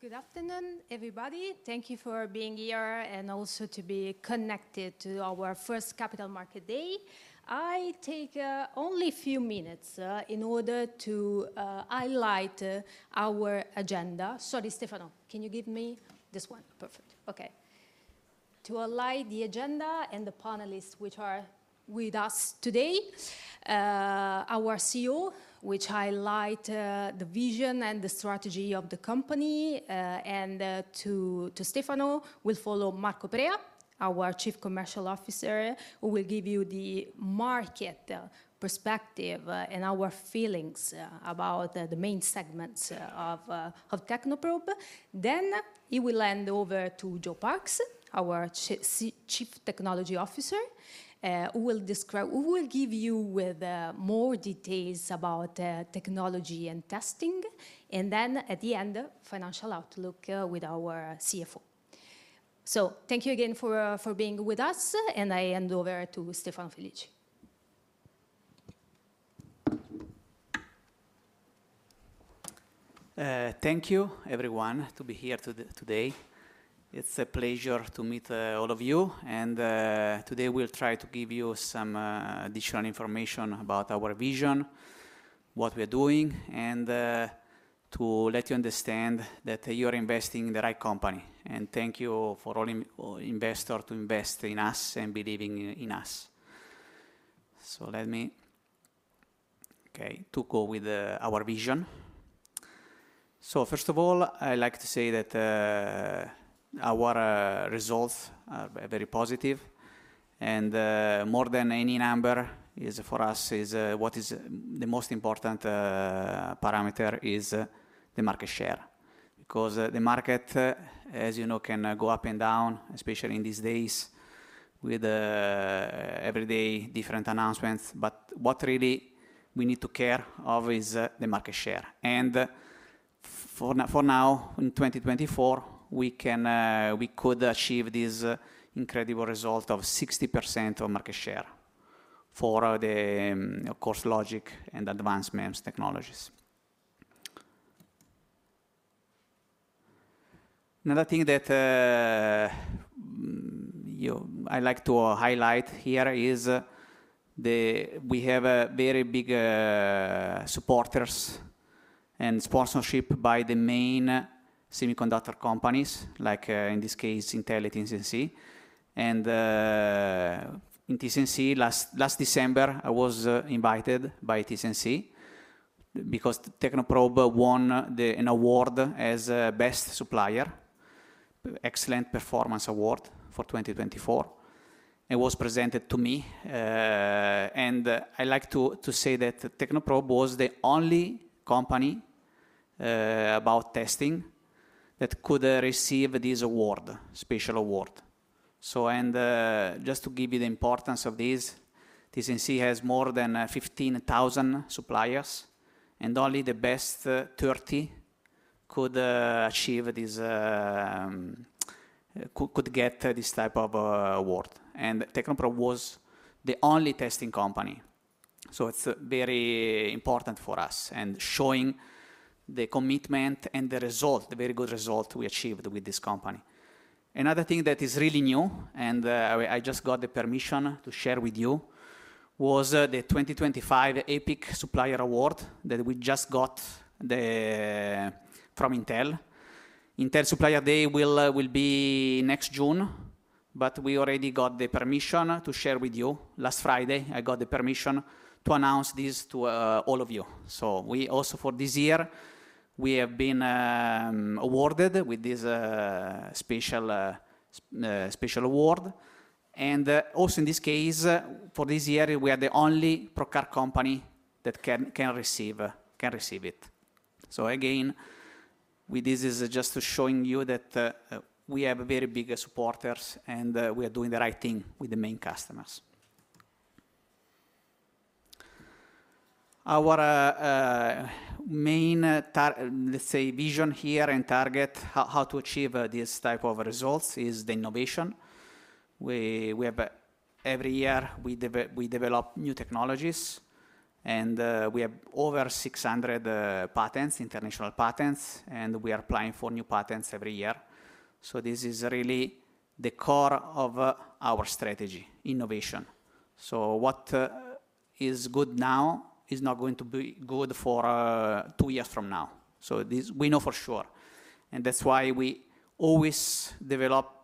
Good afternoon, everybody. Thank you for being here and also to be connected to our first Capital Market Day. I take only a few minutes in order to highlight our agenda. Sorry, Stefano, can you give me this one? Perfect. Okay. To highlight the agenda and the panelists which are with us today, our CEO, which highlights the vision and the strategy of the company, and to Stefano, we'll follow Marco Beretta, our Chief Commercial Officer, who will give you the market perspective and our feelings about the main segments of Technoprobe. Then he will hand over to Joe Parks, our Chief Technology Officer, who will give you more details about technology and testing, and then at the end, financial outlook with our CFO. Thank you again for being with us, and I hand over to Stefano Felici. Thank you, everyone, to be here today. It's a pleasure to meet all of you, and today we'll try to give you some additional information about our vision, what we are doing, and to let you understand that you are investing in the right company. Thank you for all investors who invest in us and believe in us. Let me go with our vision. First of all, I'd like to say that our results are very positive, and more than any number for us, what is the most important parameter is the market share, because the market, as you know, can go up and down, especially in these days with everyday different announcements. What really we need to care about is the market share. For now, in 2024, we could achieve this incredible result of 60% of market share for the, of course, logic and advancements technologies. Another thing that I'd like to highlight here is we have very big supporters and sponsorship by the main semiconductor companies, like in this case, Intel and TSMC. In TSMC, last December, I was invited by TSMC because Technoprobe won an award as Best Supplier, Excellent Performance Award for 2024. It was presented to me, and I'd like to say that Technoprobe was the only company about testing that could receive this award, special award. Just to give you the importance of this, TSMC has more than 15,000 suppliers, and only the best 30 could get this type of award. Technoprobe was the only testing company. It is very important for us and showing the commitment and the result, the very good result we achieved with this company. Another thing that is really new, and I just got the permission to share with you, was the 2025 EPIC Supplier Award that we just got from Intel. Intel Supplier Day will be next June, but we already got the permission to share with you. Last Friday, I got the permission to announce this to all of you. We also, for this year, have been awarded with this special award. Also, in this case, for this year, we are the only probe card company that can receive it. This is just showing you that we have very big supporters and we are doing the right thing with the main customers. Our main, let's say, vision here and target how to achieve this type of results is the innovation. Every year, we develop new technologies, and we have over 600 patents, international patents, and we are applying for new patents every year. This is really the core of our strategy, innovation. What is good now is not going to be good for two years from now. We know for sure. That is why we always develop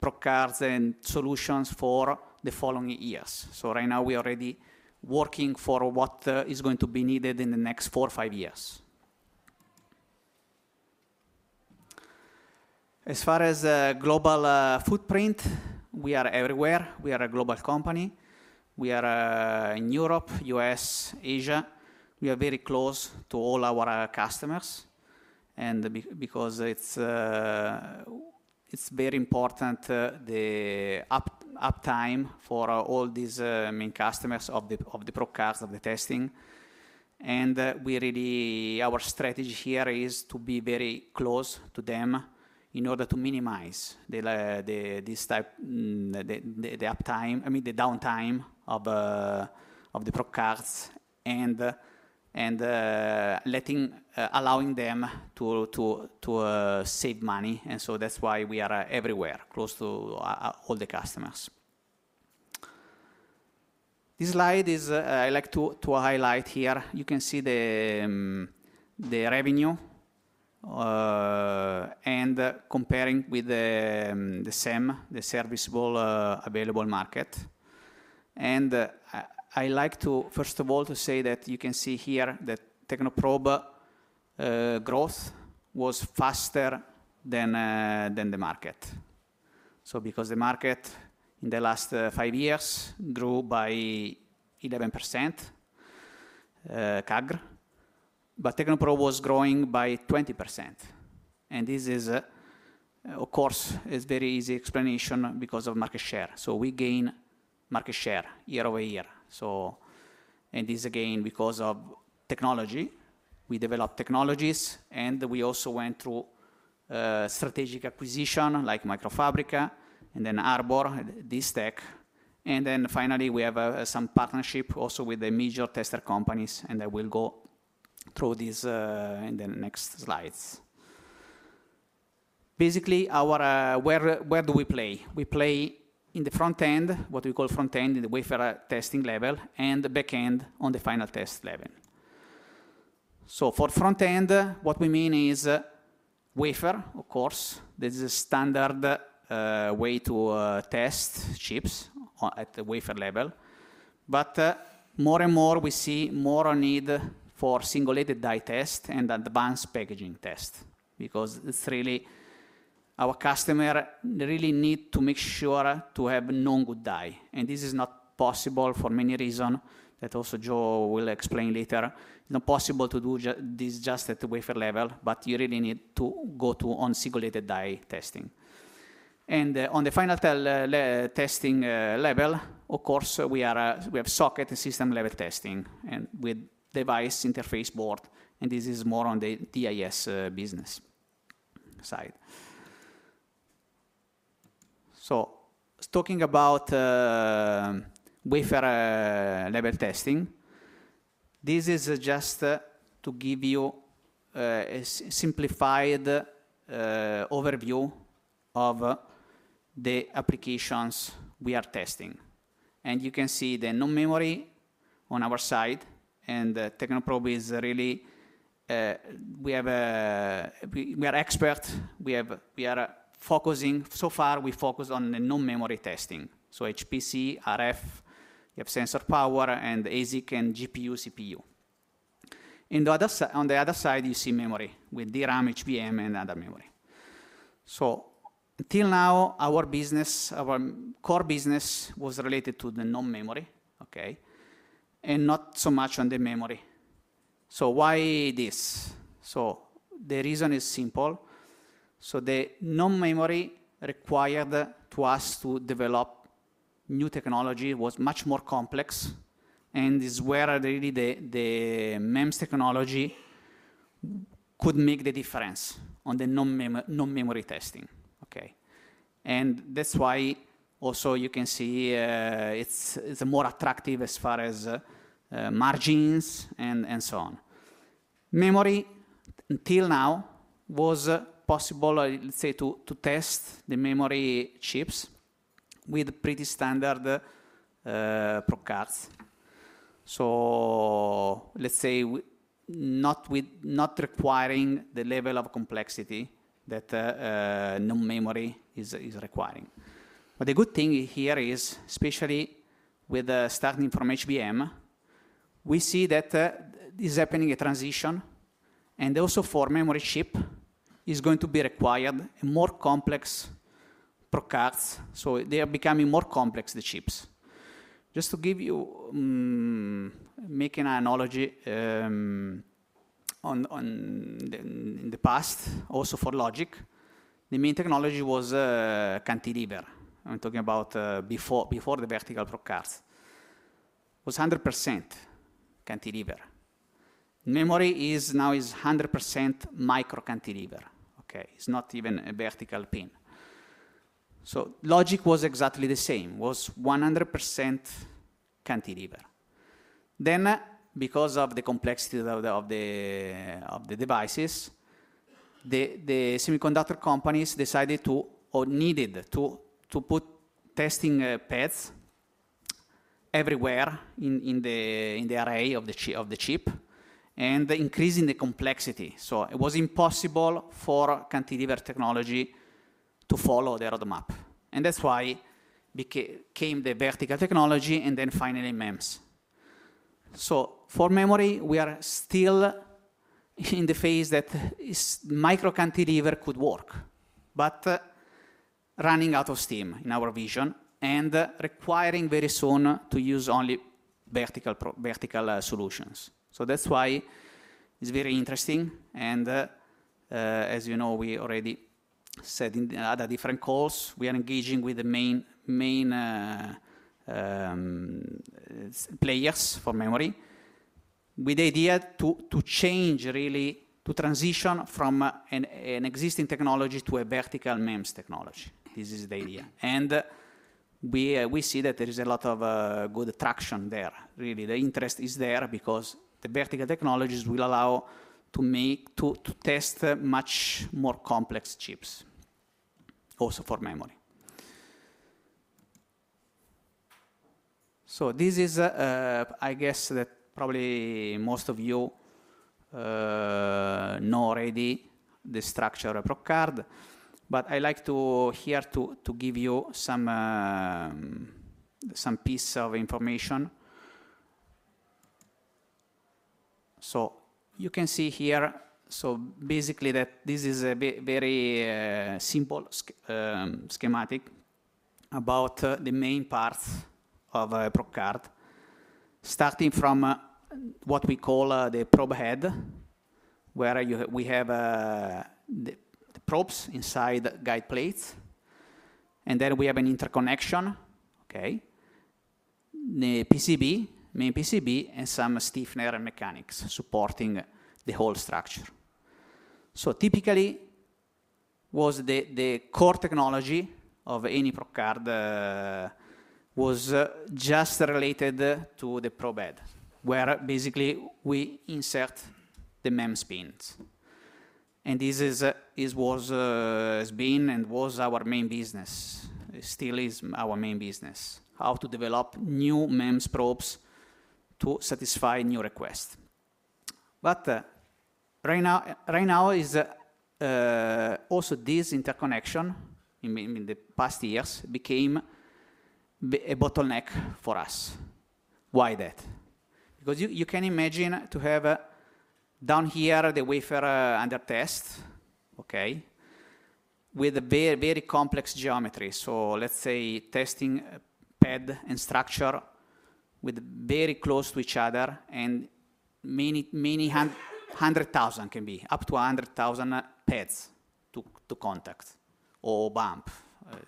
Probe Cards and solutions for the following years. Right now, we are already working for what is going to be needed in the next four or five years. As far as global footprint, we are everywhere. We are a global company. We are in Europe, United States, Asia. We are very close to all our customers because it is very important, the uptime for all these main customers of the Probe Cards, of the testing. Our strategy here is to be very close to them in order to minimize this type of uptime, I mean, the downtime of the probe cards, and allowing them to save money. That is why we are everywhere, close to all the customers. This slide is, I'd like to highlight here, you can see the revenue and comparing with the SEM, the serviceable available market. I'd like to, first of all, to say that you can see here that Technoprobe growth was faster than the market. The market in the last five years grew by 11% CAGR, but Technoprobe was growing by 20%. This is, of course, a very easy explanation because of market share. We gain market share year-over-year. This is again because of technology. We develop technologies, and we also went through strategic acquisition like MicroFabrica, and then Harbor, this tech. Finally, we have some partnership also with the major tester companies, and I will go through this in the next slides. Basically, where do we play? We play in the front end, what we call front end, in the wafer testing level, and back end on the final test level. For front end, what we mean is wafer, of course. This is a standard way to test chips at the wafer level. More and more, we see more a need for single-layer die test and advanced packaging test because it's really our customer really needs to make sure to have non-good die. This is not possible for many reasons that also Joe will explain later. It's not possible to do this just at the wafer level, but you really need to go to on single-layer die testing. On the final testing level, of course, we have socket and system level testing with device interface board, and this is more on the TIS business side. Talking about wafer level testing, this is just to give you a simplified overview of the applications we are testing. You can see the non-memory on our side, and Technoprobe is really, we are expert. We are focusing so far, we focus on the non-memory testing. HPC, RF, you have sensor power, and ASIC and GPU CPU. On the other side, you see memory with DRAM, HBM, and other memory. Till now, our business, our core business was related to the non-memory, okay, and not so much on the memory. Why this? The reason is simple. The non-memory required us to develop new technology, was much more complex, and it is where really the MEMS technology could make the difference on the non-memory testing. That is why also you can see it is more attractive as far as margins and so on. Memory, till now, was possible, let's say, to test the memory chips with pretty standard probe cards, so let's say not requiring the level of complexity that non-memory is requiring. The good thing here is, especially with starting from HBM, we see that this is happening, a transition, and also for memory chip is going to be required more complex probe cards. They are becoming more complex, the chips. Just to give you, making an analogy, in the past, also for logic, the main technology was cantilever. I am talking about before the vertical probe cards. It was 100% cantilever. Memory now is 100% micro cantilever. It's not even a vertical pin. Logic was exactly the same, was 100% cantilever. Because of the complexity of the devices, the semiconductor companies decided to or needed to put testing pads everywhere in the array of the chip and increasing the complexity. It was impossible for cantilever technology to follow the roadmap. That's why came the vertical technology and then finally MEMS. For memory, we are still in the phase that micro cantilever could work, but running out of steam in our vision and requiring very soon to use only vertical solutions. That's why it's very interesting. As you know, we already said in other different calls, we are engaging with the main players for memory with the idea to change really, to transition from an existing technology to a vertical MEMS technology. This is the idea. We see that there is a lot of good traction there. Really, the interest is there because the vertical technologies will allow to test much more complex chips, also for memory. I guess that probably most of you know already the structure of Probe Card, but I'd like here to give you some piece of information. You can see here, basically, that this is a very simple schematic about the main part of Probe Card, starting from what we call the probe head, where we have the probes inside guide plates, and then we have an interconnection, the main PCB, and some stiffness mechanics supporting the whole structure. Typically, the core technology of any Probe Card was just related to the probe head, where basically we insert the MEMS pins. This has been and is our main business, still is our main business, how to develop new MEMS probes to satisfy new requests. Right now, also this interconnection in the past years became a bottleneck for us. Why that? You can imagine to have down here the wafer under test, with a very complex geometry. Let's say testing pad and structure with very close to each other and many hundred thousand, can be up to 100,000 pads to contact or bump,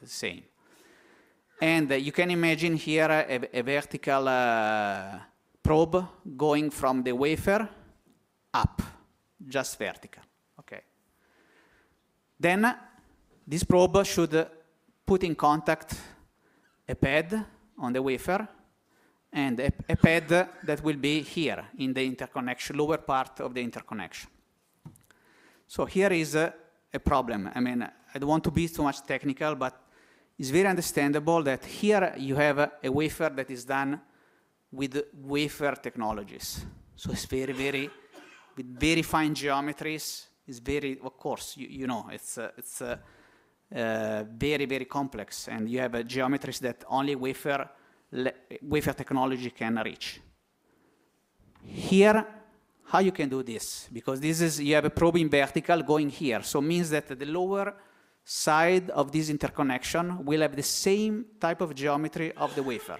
same. You can imagine here a vertical probe going from the wafer up, just vertical. This probe should put in contact a pad on the wafer and a pad that will be here in the interconnection, lower part of the interconnection. Here is a problem. I mean, I don't want to be too much technical, but it's very understandable that here you have a wafer that is done with wafer technologies. It's very, very with very fine geometries. It's very, of course, you know it's very, very complex, and you have geometries that only wafer technology can reach. Here, how you can do this? Because this is you have a probe in vertical going here. It means that the lower side of this interconnection will have the same type of geometry of the wafer.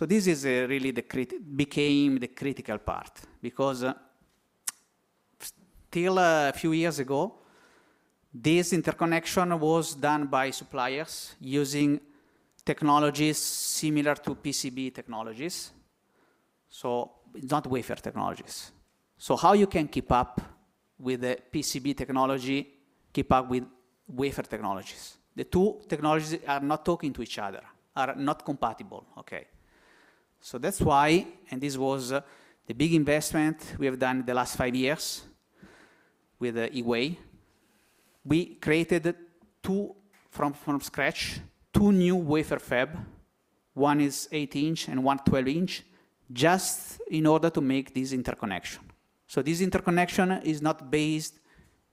This really became the critical part because till a few years ago, this interconnection was done by suppliers using technologies similar to PCB technologies. It's not wafer technologies. How you can keep up with the PCB technology, keep up with wafer technologies? The two technologies are not talking to each other, are not compatible. That is why, and this was the big investment we have done in the last five years with GWAY. We created from scratch two new wafer fabs. One is 18-inch and one is 12-inch, just in order to make this interconnection. This interconnection is not based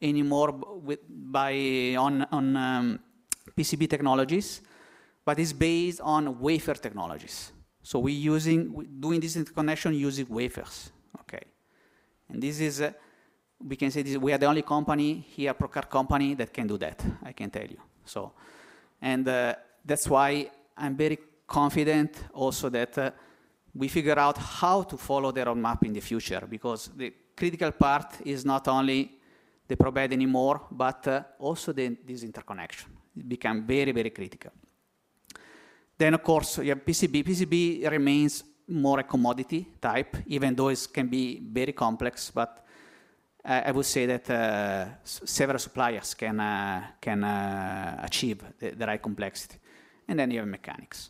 anymore on PCB technologies, but it is based on wafer technologies. We are doing this interconnection using wafers. We can say we are the only company here, probe card company, that can do that, I can tell you. That is why I am very confident also that we figure out how to follow their roadmap in the future because the critical part is not only the probe head anymore, but also this interconnection. It became very, very critical. Of course, you have PCB. PCB remains more a commodity type, even though it can be very complex, but I would say that several suppliers can achieve the right complexity. You have mechanics.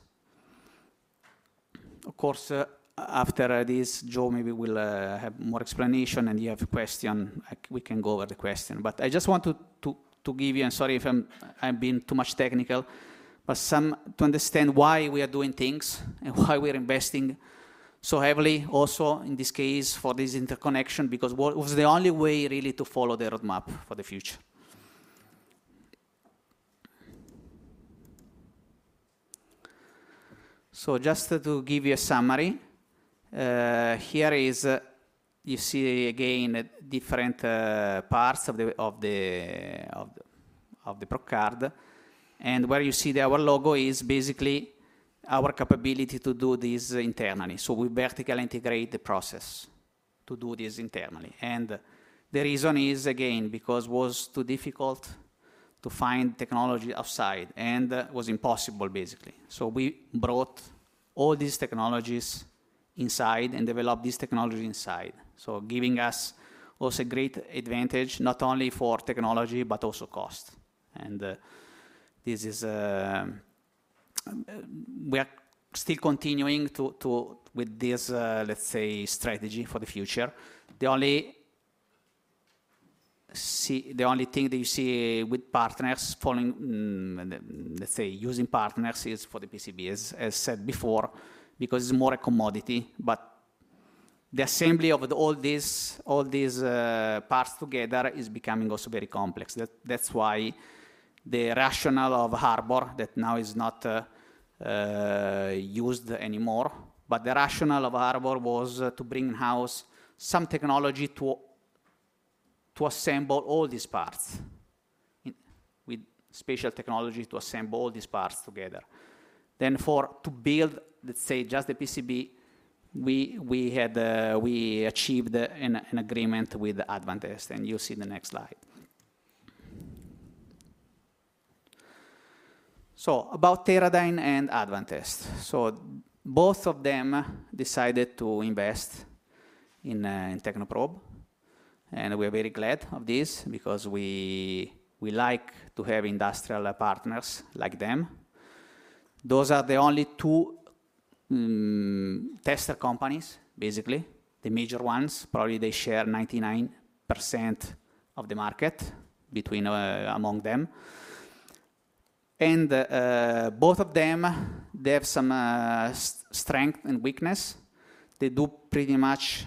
Of course, after this, Joe maybe will have more explanation, and if you have a question, we can go over the question. I just want to give you, and sorry if I've been too much technical, but some to understand why we are doing things and why we are investing so heavily also in this case for this interconnection because it was the only way really to follow the roadmap for the future. Just to give you a summary, here is, you see again different parts of the Probe Card. Where you see our logo is basically our capability to do this internally. We vertically integrate the process to do this internally. The reason is again because it was too difficult to find technology outside and was impossible basically. We brought all these technologies inside and developed this technology inside, giving us also a great advantage not only for technology, but also cost. We are still continuing with this, let's say, strategy for the future. The only thing that you see with partners following, let's say, using partners is for the PCB, as said before, because it's more a commodity. The assembly of all these parts together is becoming also very complex. That is why the rationale of Harbor that now is not used anymore, but the rationale of Harbor was to bring in-house some technology to assemble all these parts with special technology to assemble all these parts together. To build, let's say, just the PCB, we achieved an agreement with Advantest, and you'll see the next slide. About Teradyne and Advantest. Both of them decided to invest in Technoprobe. We are very glad of this because we like to have industrial partners like them. Those are the only two tester companies, basically, the major ones. Probably they share 99% of the market among them. Both of them have some strength and weakness. They do pretty much,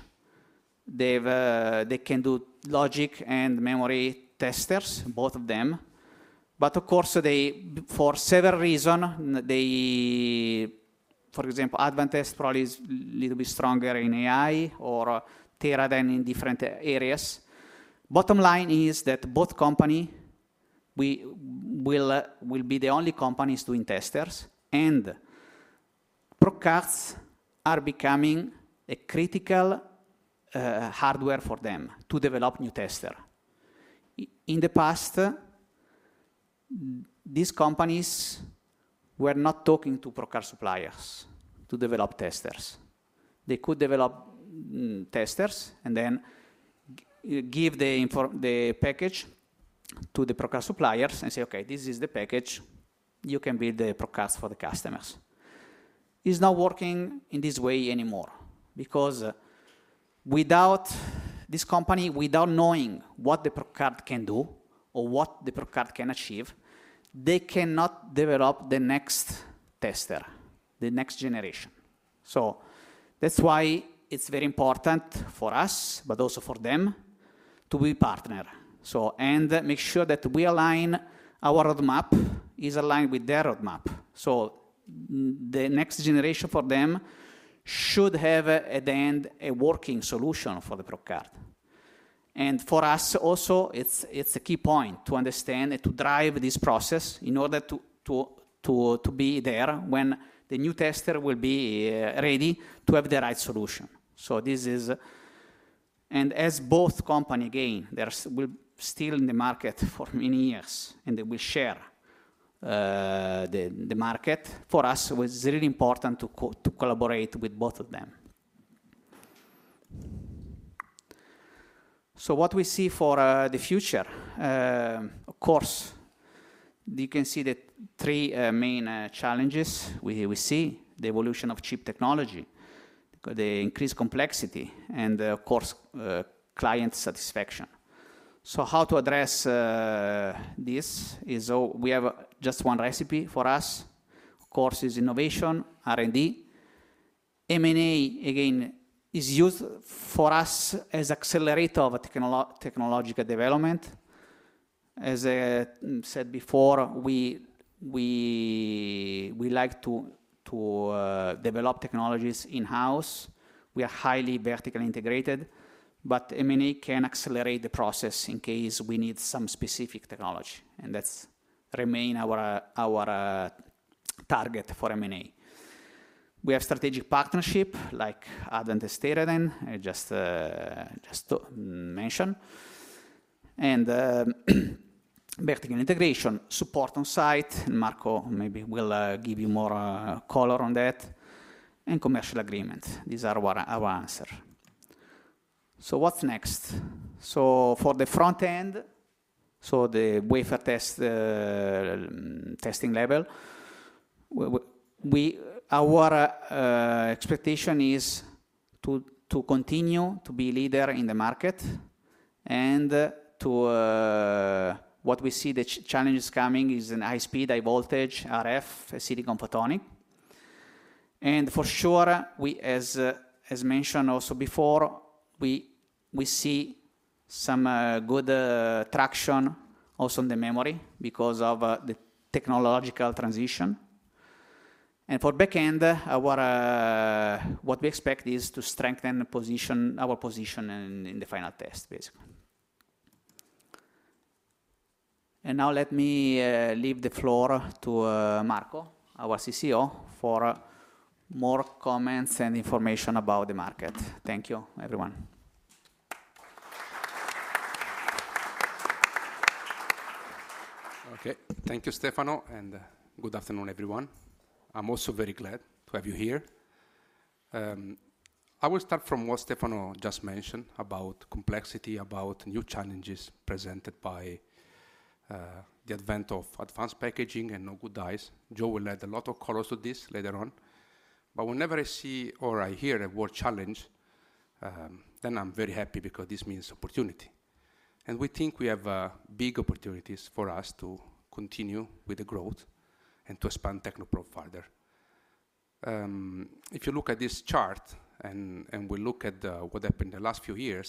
they can do logic and memory testers, both of them. Of course, for several reasons, for example, Advantest probably is a little bit stronger in AI or Teradyne in different areas. Bottom line is that both companies will be the only companies doing testers, and Probe Cards are becoming a critical hardware for them to develop new testers. In the past, these companies were not talking to Probe Card suppliers to develop testers. They could develop testers and then give the package to the Probe Card suppliers and say, "Okay, this is the package. You can build the Probe Cards for the customers." It is not working in this way anymore because without this company, without knowing what the Probe Card can do or what the Probe Card can achieve, they cannot develop the next tester, the next generation. That is why it is very important for us, but also for them to be a partner. Make sure that we align our roadmap with their roadmap. The next generation for them should have at the end a working solution for the Probe Card. For us also, it's a key point to understand and to drive this process in order to be there when the new tester will be ready to have the right solution. As both companies again, they will still be in the market for many years and they will share the market. For us, it was really important to collaborate with both of them. What we see for the future, of course, you can see the three main challenges we see, the evolution of chip technology, the increased complexity, and of course, client satisfaction. How to address this is we have just one recipe for us. Of course, it's innovation, R&D. M&A, again, is used for us as accelerator of technological development. As I said before, we like to develop technologies in-house. We are highly vertically integrated, but M&A can accelerate the process in case we need some specific technology. That has remained our target for M&A. We have strategic partnership like Advantest, Teradyne, just to mention. Vertical integration, support on site. Marco maybe will give you more color on that. Commercial agreement. These are our answers. What's next? For the front end, the wafer testing level, our expectation is to continue to be leader in the market. What we see the challenge is coming is in high-speed, high-voltage RF, silicon photonic. For sure, as mentioned also before, we see some good traction also in the memory because of the technological transition. For backend, what we expect is to strengthen our position in the final test, basically. Now let me leave the floor to Marco, our CCO, for more comments and information about the market. Thank you, everyone. Okay, thank you, Stefano, and good afternoon, everyone. I'm also very glad to have you here. I will start from what Stefano just mentioned about complexity, about new challenges presented by the advent of advanced packaging and no good dies. Joe will add a lot of colors to this later on. Whenever I see or I hear a word challenge, then I'm very happy because this means opportunity. We think we have big opportunities for us to continue with the growth and to expand Technoprobe further. If you look at this chart and we look at what happened in the last few years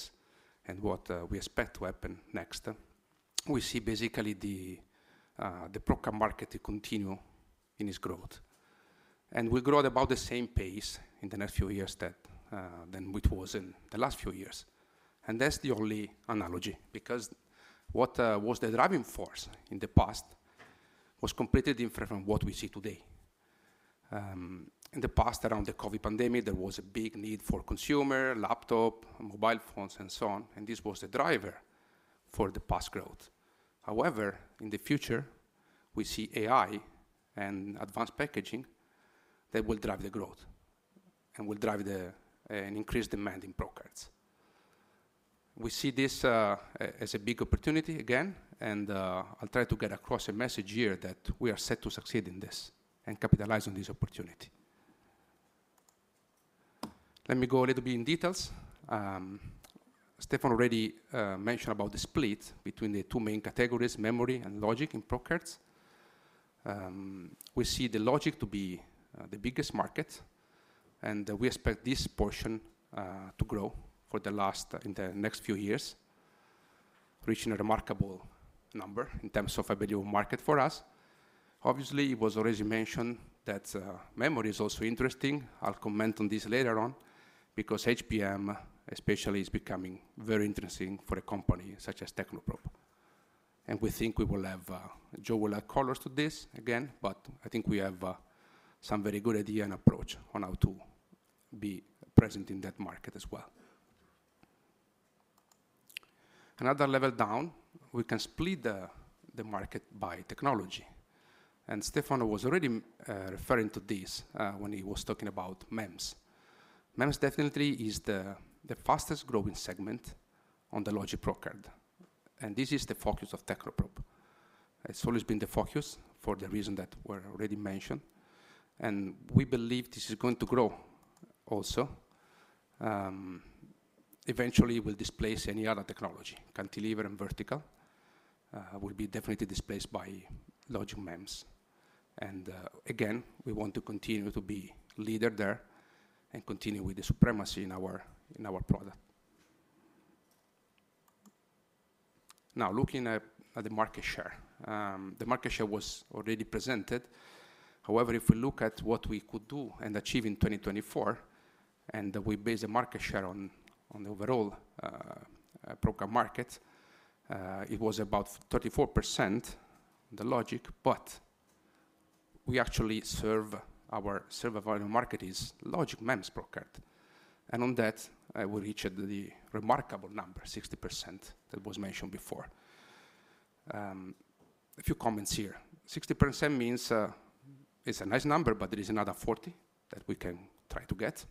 and what we expect to happen next, we see basically the Probe Card market to continue in its growth. We grow at about the same pace in the next few years as it was in the last few years. That is the only analogy because what was the driving force in the past was completely different from what we see today. In the past, around the COVID pandemic, there was a big need for consumer laptop, mobile phones, and so on. This was the driver for the past growth. However, in the future, we see AI and advanced packaging that will drive the growth and will drive the increased demand in Probe Cards. We see this as a big opportunity again, and I will try to get across a message here that we are set to succeed in this and capitalize on this opportunity. Let me go a little bit in details. Stefano already mentioned about the split between the two main categories, memory and logic in Probe Cards. We see the logic to be the biggest market, and we expect this portion to grow for the last in the next few years, reaching a remarkable number in terms of a value market for us. Obviously, it was already mentioned that memory is also interesting. I will comment on this later on because HBM especially is becoming very interesting for a company such as Technoprobe. We think we will have Joe will add colors to this again, but I think we have some very good idea and approach on how to be present in that market as well. Another level down, we can split the market by technology. Stefano was already referring to this when he was talking about MEMS. MEMS definitely is the fastest growing segment on the logic Probe Card. This is the focus of Technoprobe. It's always been the focus for the reason that we already mentioned. We believe this is going to grow also. Eventually, it will displace any other technology. Cantilever and vertical will be definitely displaced by logic MEMS. Again, we want to continue to be leader there and continue with the supremacy in our product. Now, looking at the market share, the market share was already presented. However, if we look at what we could do and achieve in 2024, and we base the market share on the overall Probe Card market, it was about 34% the logic, but we actually serve our server volume market is logic MEMS Probe Card. On that, we reached the remarkable number, 60% that was mentioned before. A few comments here. 60% means it's a nice number, but there is another 40 that we can try to get.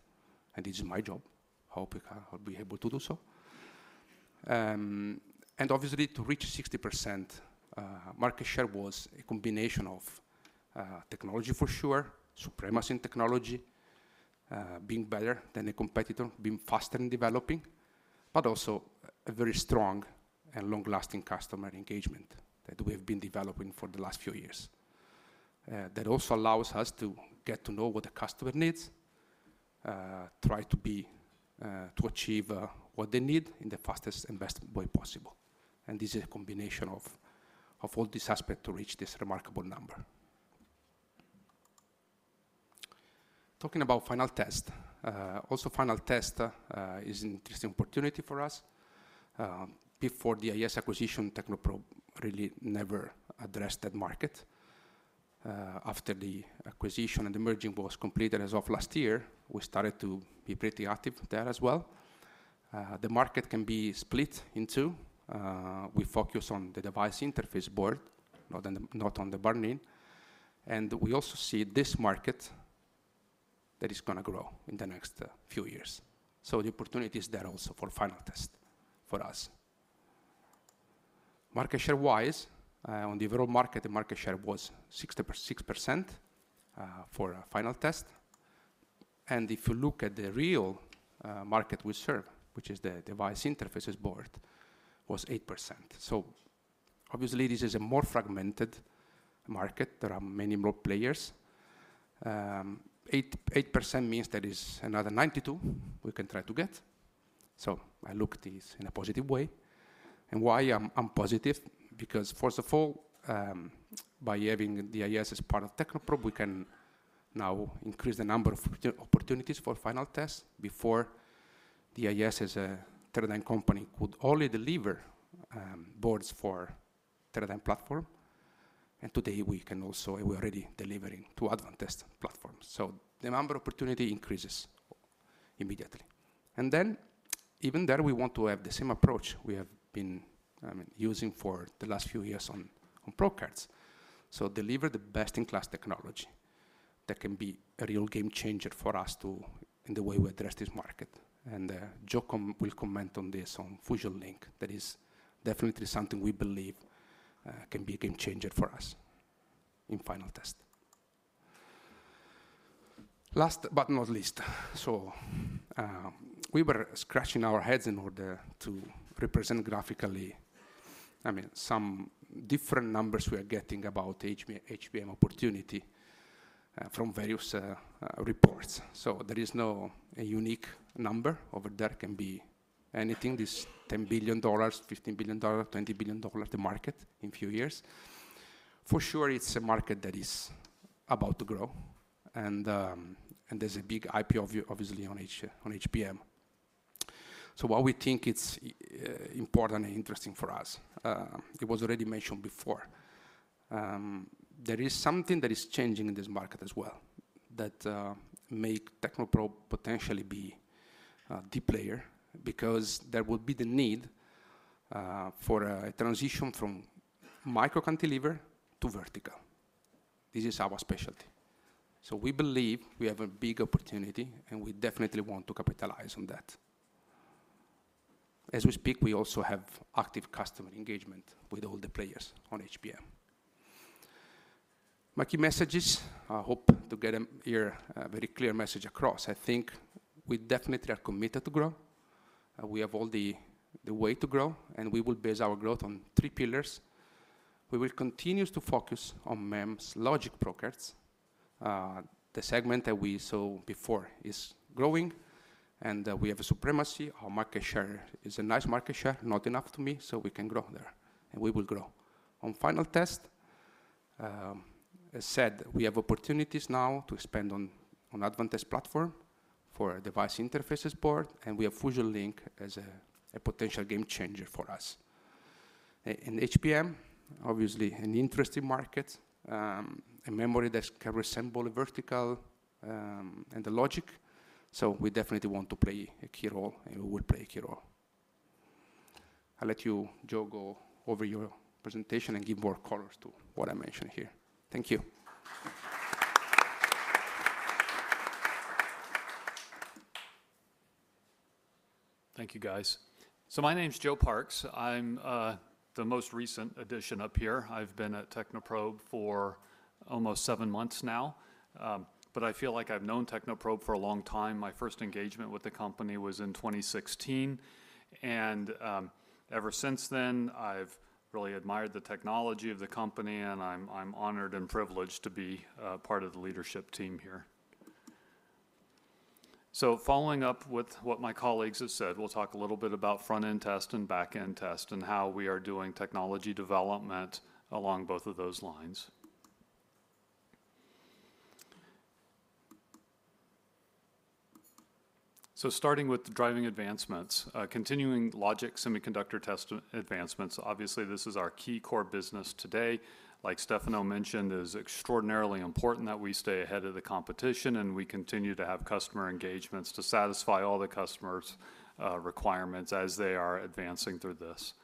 It's my job. I hope we'll be able to do so. Obviously, to reach 60% market share was a combination of technology for sure, supremacy in technology, being better than a competitor, being faster in developing, but also a very strong and long-lasting customer engagement that we have been developing for the last few years. That also allows us to get to know what the customer needs, try to achieve what they need in the fastest investment way possible. This is a combination of all these aspects to reach this remarkable number. Talking about final test, also final test is an interesting opportunity for us. Before the IS acquisition, Technoprobe really never addressed that market. After the acquisition and the merging was completed as of last year, we started to be pretty active there as well. The market can be split in two. We focus on the device interface board, not on the burn-in. We also see this market that is going to grow in the next few years. The opportunity is there also for final test for us. Market share-wise, on the overall market, the market share was 6% for final test. If you look at the real market we serve, which is the device interface board, it was 8%. Obviously, this is a more fragmented market. There are many more players. 8% means there is another 92% we can try to get. I look at this in a positive way. Why am I positive? First of all, by having the IS as part of Technoprobe, we can now increase the number of opportunities for final test. Before, the IS as a Teradyne company could only deliver boards for the Teradyne platform. Today, we can also, we're already delivering to Advantest platform. The number of opportunities increases immediately. Even there, we want to have the same approach we have been using for the last few years on Probe Cards. Deliver the best-in-class technology that can be a real game changer for us in the way we address this market. Joe will comment on this on Fusion Link. That is definitely something we believe can be a game changer for us in final test. Last but not least, we were scratching our heads in order to represent graphically some different numbers we are getting about HBM opportunity from various reports. There is no unique number over there. It can be anything. This $10 billion, $15 billion, $20 billion market in a few years. For sure, it's a market that is about to grow. There is a big IPO, obviously, on HBM. What we think is important and interesting for us, it was already mentioned before. There is something that is changing in this market as well that makes Technoprobe potentially be a D-player because there will be the need for a transition from micro cantilever to vertical. This is our specialty. We believe we have a big opportunity, and we definitely want to capitalize on that. As we speak, we also have active customer engagement with all the players on HBM. My key messages, I hope to get a very clear message across. I think we definitely are committed to grow. We have all the way to grow, and we will base our growth on three pillars. We will continue to focus on MEMS logic Probe Cards. The segment that we saw before is growing, and we have a supremacy. Our market share is a nice market share, not enough to me, so we can grow there, and we will grow. On final test, as said, we have opportunities now to expand on Advantest platform for device interface board, and we have Fusion Link as a potential game changer for us. In HBM, obviously, an interesting market, a memory that can resemble vertical and the logic. So we definitely want to play a key role, and we will play a key role. I'll let you, Joe, go over your presentation and give more colors to what I mentioned here. Thank you. Thank you, guys. My name is Joe Parks. I'm the most recent addition up here. I've been at Technoprobe for almost seven months now, but I feel like I've known Technoprobe for a long time. My first engagement with the company was in 2016. Ever since then, I've really admired the technology of the company, and I'm honored and privileged to be part of the leadership team here. Following up with what my colleagues have said, we'll talk a little bit about Front-end test and Back-end test and how we are doing technology development along both of those lines. Starting with the driving advancements, continuing logic semiconductor test advancements, obviously, this is our key core business today. Like Stefano mentioned, it is extraordinarily important that we stay ahead of the competition and we continue to have customer engagements to satisfy all the customers' requirements as they are advancing through this.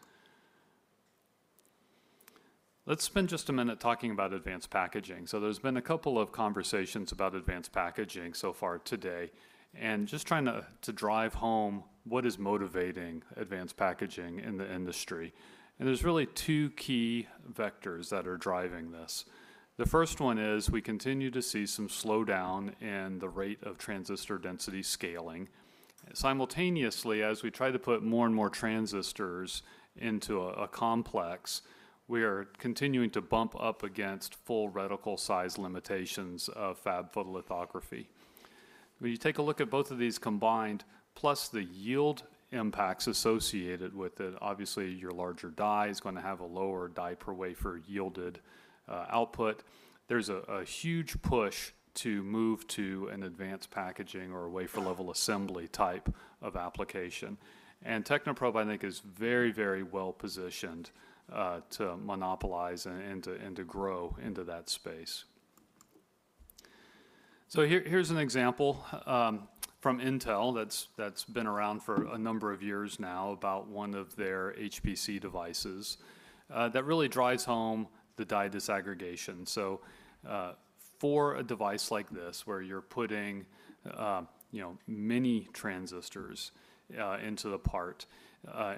Let's spend just a minute talking about advanced packaging. There's been a couple of conversations about advanced packaging so far today. Just trying to drive home what is motivating advanced packaging in the industry. There are really two key vectors that are driving this. The first one is we continue to see some slowdown in the rate of transistor density scaling. Simultaneously, as we try to put more and more transistors into a complex, we are continuing to bump up against full reticle size limitations of Fab photolithography. When you take a look at both of these combined, plus the yield impacts associated with it, obviously, your larger die is going to have a lower die per wafer yielded output. There is a huge push to move to an advanced packaging or a wafer-level assembly type of application. Technoprobe, I think, is very, very well positioned to monopolize and to grow into that space. Here is an example from Intel that has been around for a number of years now, about one of their HPC devices that really drives home the die disaggregation. For a device like this where you're putting many transistors into the part,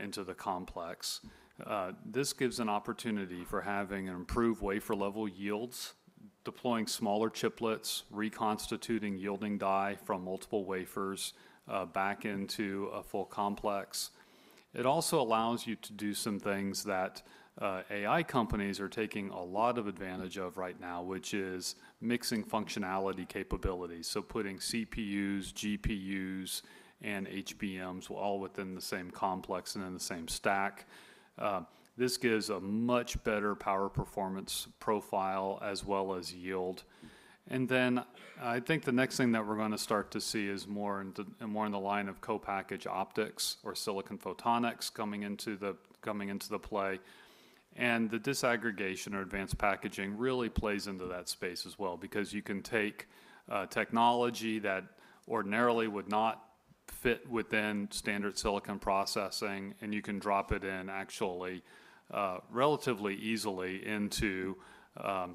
into the complex, this gives an opportunity for having improved wafer-level yields, deploying smaller chiplets, reconstituting yielding die from multiple wafers back into a full complex. It also allows you to do some things that AI companies are taking a lot of advantage of right now, which is mixing functionality capabilities. Putting CPUs, GPUs, and HBMs all within the same complex and in the same stack gives a much better power performance profile as well as yield. I think the next thing that we're going to start to see is more in the line of co-package optics or silicon photonics coming into the play. The disaggregation or advanced packaging really plays into that space as well because you can take technology that ordinarily would not fit within standard silicon processing, and you can drop it in actually relatively easily into a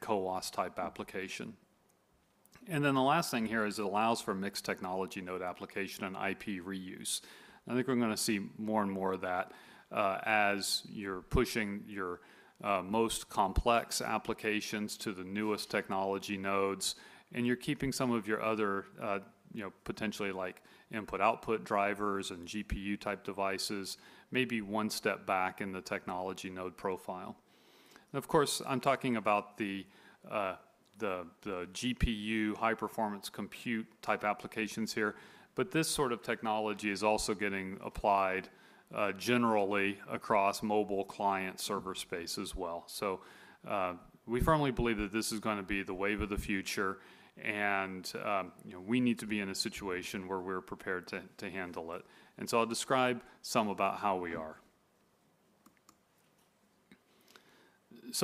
co-os type application. The last thing here is it allows for mixed technology node application and IP reuse. I think we're going to see more and more of that as you're pushing your most complex applications to the newest technology nodes, and you're keeping some of your other potentially input-output drivers and GPU-type devices maybe one step back in the technology node profile. Of course, I'm talking about the GPU high-performance compute type applications here, but this sort of technology is also getting applied generally across mobile client server space as well. We firmly believe that this is going to be the wave of the future, and we need to be in a situation where we're prepared to handle it. I'll describe some about how we are.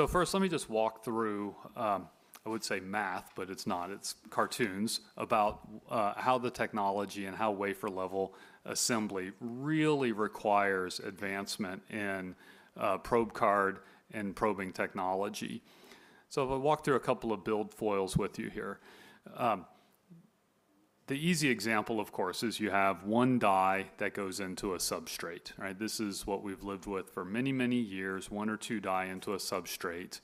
First, let me just walk through, I would say math, but it's not. It's cartoons about how the technology and how wafer-level assembly really requires advancement in probe card and probing technology. I'll walk through a couple of build foils with you here. The easy example, of course, is you have one die that goes into a substrate. This is what we've lived with for many, many years, one or two die into a substrate.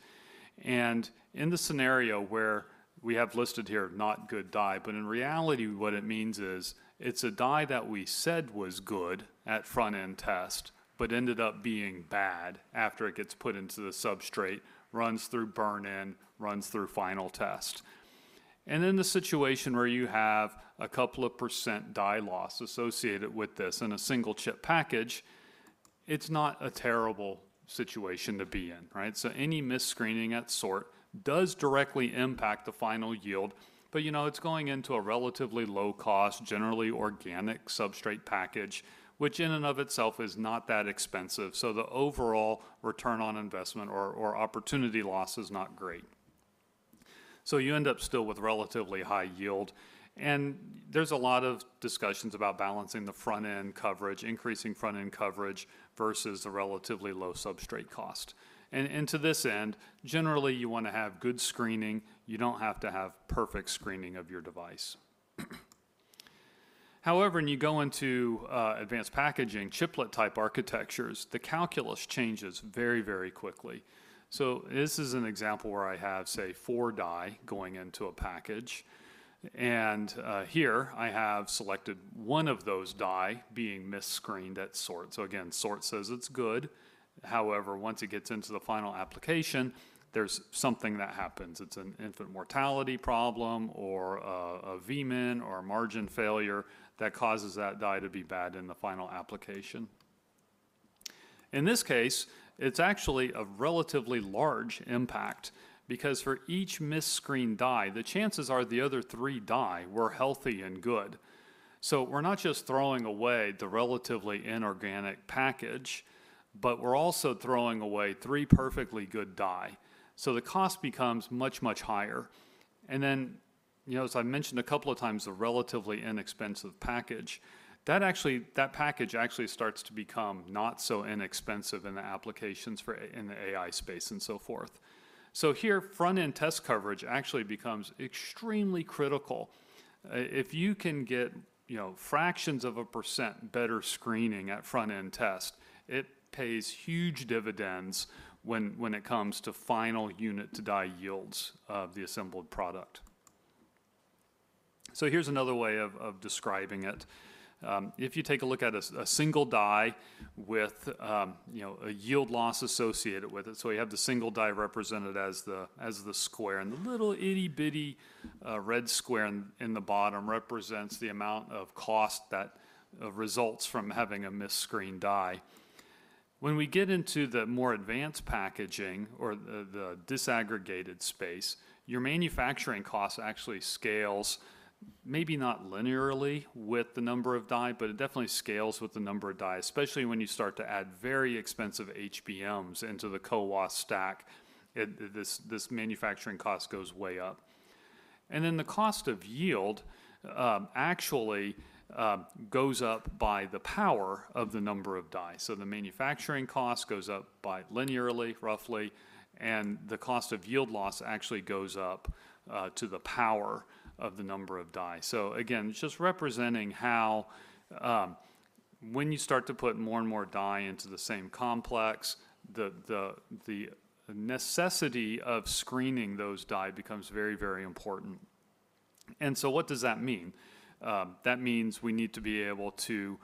In the scenario where we have listed here, not good die, but in reality, what it means is it's a die that we said was good at front-end test, but ended up being bad after it gets put into the substrate, runs through burn-in, runs through final test. In the situation where you have a couple of percentage die loss associated with this in a single chip package, it's not a terrible situation to be in. Any misscreening of sort does directly impact the final yield, but it's going into a relatively low-cost, generally organic substrate package, which in and of itself is not that expensive. The overall return on investment or opportunity loss is not great. You end up still with relatively high yield. There is a lot of discussion about balancing the front-end coverage, increasing front-end coverage versus the relatively low substrate cost. To this end, generally, you want to have good screening. You don't have to have perfect screening of your device. However, when you go into advanced packaging, chiplet-type architectures, the calculus changes very, very quickly. This is an example where I have, say, four die going into a package. Here I have selected one of those die being misscreened at sort. Sort says it's good. However, once it gets into the final application, there's something that happens. It's an infant mortality problem or a VMIN or a margin failure that causes that die to be bad in the final application. In this case, it's actually a relatively large impact because for each misscreened die, the chances are the other three die were healthy and good. We're not just throwing away the relatively inorganic package, but we're also throwing away three perfectly good die. The cost becomes much, much higher. As I mentioned a couple of times, a relatively inexpensive package, that package actually starts to become not so inexpensive in the applications in the AI space and so forth. Here, front-end test coverage actually becomes extremely critical. If you can get fractions of a percentage better screening at front-end test, it pays huge dividends when it comes to final unit to die yields of the assembled product. Here's another way of describing it. If you take a look at a single die with a yield loss associated with it, we have the single die represented as the square. The little itty bitty red square in the bottom represents the amount of cost that results from having a misscreened die. When we get into the more advanced packaging or the disaggregated space, your manufacturing cost actually scales, maybe not linearly with the number of die, but it definitely scales with the number of die, especially when you start to add very expensive HBM into the co-os stack. This manufacturing cost goes way up. The cost of yield actually goes up by the power of the number of die. The manufacturing cost goes up linearly, roughly, and the cost of yield loss actually goes up to the power of the number of die. Just representing how when you start to put more and more die into the same complex, the necessity of screening those die becomes very, very important. What does that mean? That means we need to be able to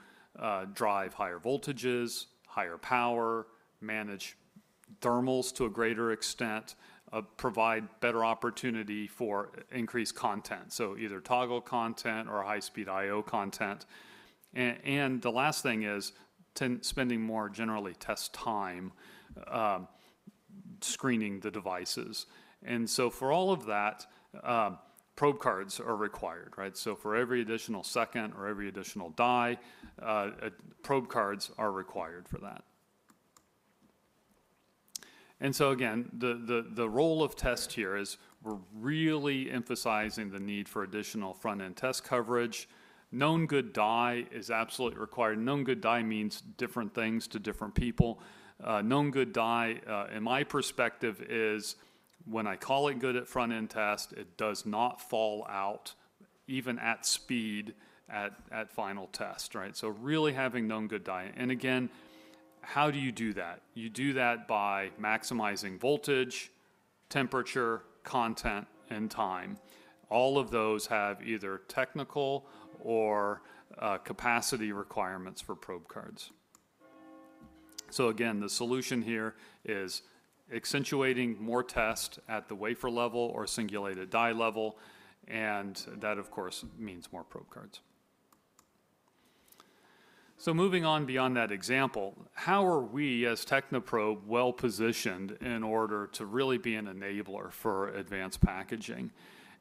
drive higher voltages, higher power, manage thermals to a greater extent, provide better opportunity for increased content, so either toggle content or high-speed I/O content. The last thing is spending more generally test time screening the devices. For all of that, probe cards are required. For every additional second or every additional die, probe cards are required for that. Again, the role of test here is we're really emphasizing the need for additional front-end test coverage. Known good die is absolutely required. Known good die means different things to different people. Known good die, in my perspective, is when I call it good at front-end test, it does not fall out even at speed at final test. Really having known good die. Again, how do you do that? You do that by maximizing voltage, temperature, content, and time. All of those have either technical or capacity requirements for probe cards. Again, the solution here is accentuating more test at the wafer level or singulated die level. That, of course, means more probe cards. Moving on beyond that example, how are we as Technoprobe well positioned in order to really be an enabler for advanced packaging?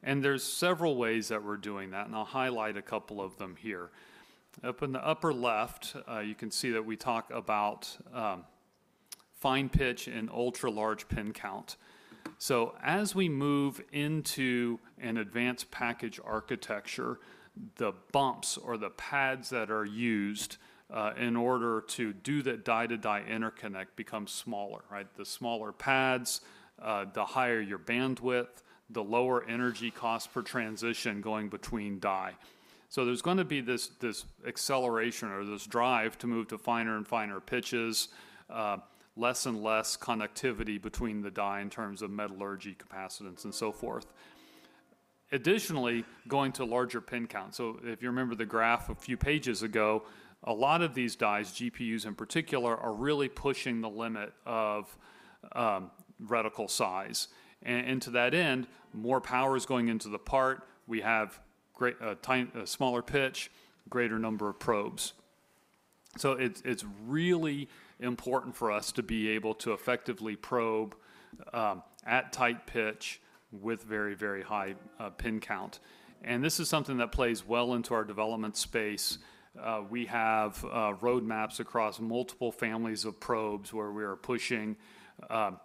There are several ways that we're doing that, and I'll highlight a couple of them here. Up in the upper left, you can see that we talk about fine pitch and ultra-large pin count. As we move into an advanced package architecture, the bumps or the pads that are used in order to do that die-to-die interconnect become smaller. The smaller pads, the higher your bandwidth, the lower energy cost per transition going between die. There's going to be this acceleration or this drive to move to finer and finer pitches, less and less conductivity between the die in terms of metallurgy, capacitance, and so forth. Additionally, going to larger pin count. If you remember the graph a few pages ago, a lot of these dies, GPUs in particular, are really pushing the limit of reticle size. To that end, more power is going into the part. We have a smaller pitch, greater number of probes. It's really important for us to be able to effectively probe at tight pitch with very, very high pin count. This is something that plays well into our development space. We have roadmaps across multiple families of probes where we are pushing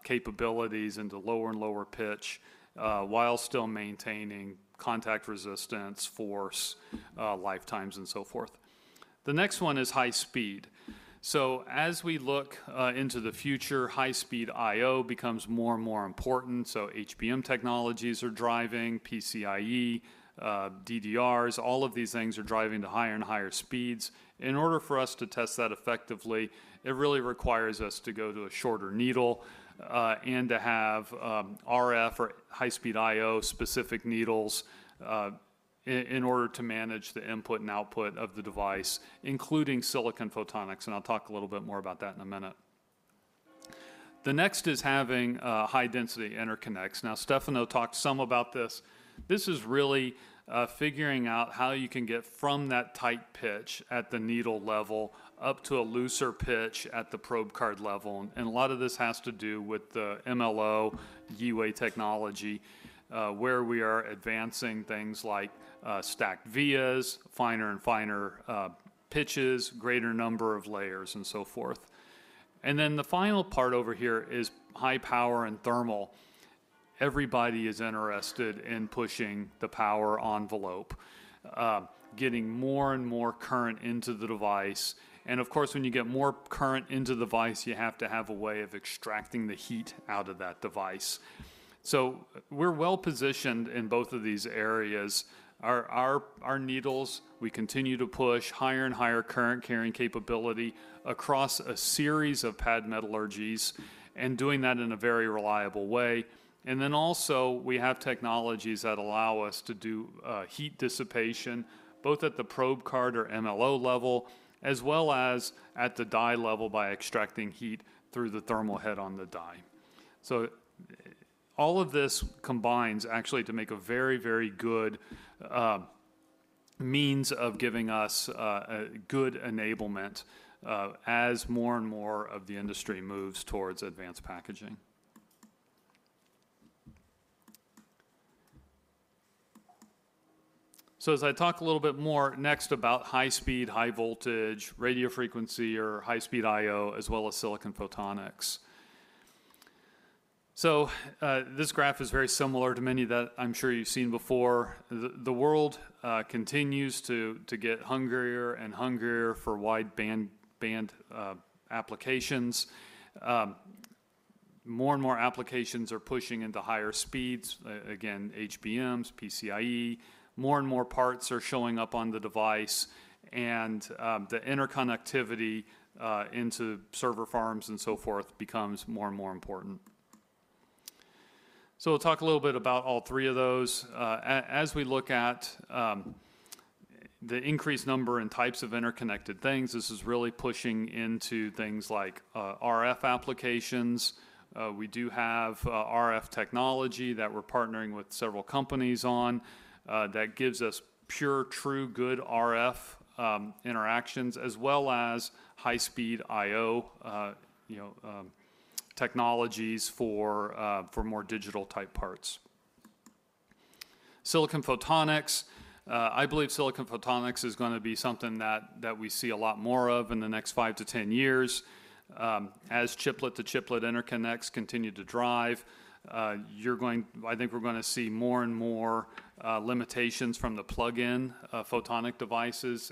capabilities into lower and lower pitch while still maintaining contact resistance, force, lifetimes, and so forth. The next one is high speed. As we look into the future, high-speed I/O becomes more and more important. HBM technologies are driving, PCIe, DDRs, all of these things are driving to higher and higher speeds. In order for us to test that effectively, it really requires us to go to a shorter needle and to have RF or high-speed I/O specific needles in order to manage the input and output of the device, including silicon photonics. I'll talk a little bit more about that in a minute. The next is having high-density interconnects. Now, Stefano talked some about this. This is really figuring out how you can get from that tight pitch at the needle level up to a looser pitch at the probe card level. A lot of this has to do with the MLO, GWAY technology, where we are advancing things like stacked vias, finer and finer pitches, greater number of layers, and so forth. The final part over here is high power and thermal. Everybody is interested in pushing the power envelope, getting more and more current into the device. Of course, when you get more current into the device, you have to have a way of extracting the heat out of that device. We are well positioned in both of these areas. Our needles, we continue to push higher and higher current carrying capability across a series of pad metallurgies and doing that in a very reliable way. We have technologies that allow us to do heat dissipation both at the probe card or MLO level as well as at the die level by extracting heat through the thermal head on the die. All of this combines actually to make a very, very good means of giving us a good enablement as more and more of the industry moves towards advanced packaging. As I talk a little bit more next about high speed, high voltage, radio frequency, or high speed I/O as well as silicon photonics. This graph is very similar to many that I'm sure you've seen before. The world continues to get hungrier and hungrier for wide-band applications. More and more applications are pushing into higher speeds. Again, HBMs, PCIe, more and more parts are showing up on the device. The interconnectivity into server farms and so forth becomes more and more important. We will talk a little bit about all three of those. As we look at the increased number and types of interconnected things, this is really pushing into things like RF applications. We do have RF technology that we are partnering with several companies on that gives us pure, true, good RF interactions as well as high-speed I/O technologies for more digital-type parts. Silicon photonics, I believe silicon photonics is going to be something that we see a lot more of in the next 5years-10 years. As chiplet to chiplet interconnects continue to drive, I think we are going to see more and more limitations from the plug-in photonic devices.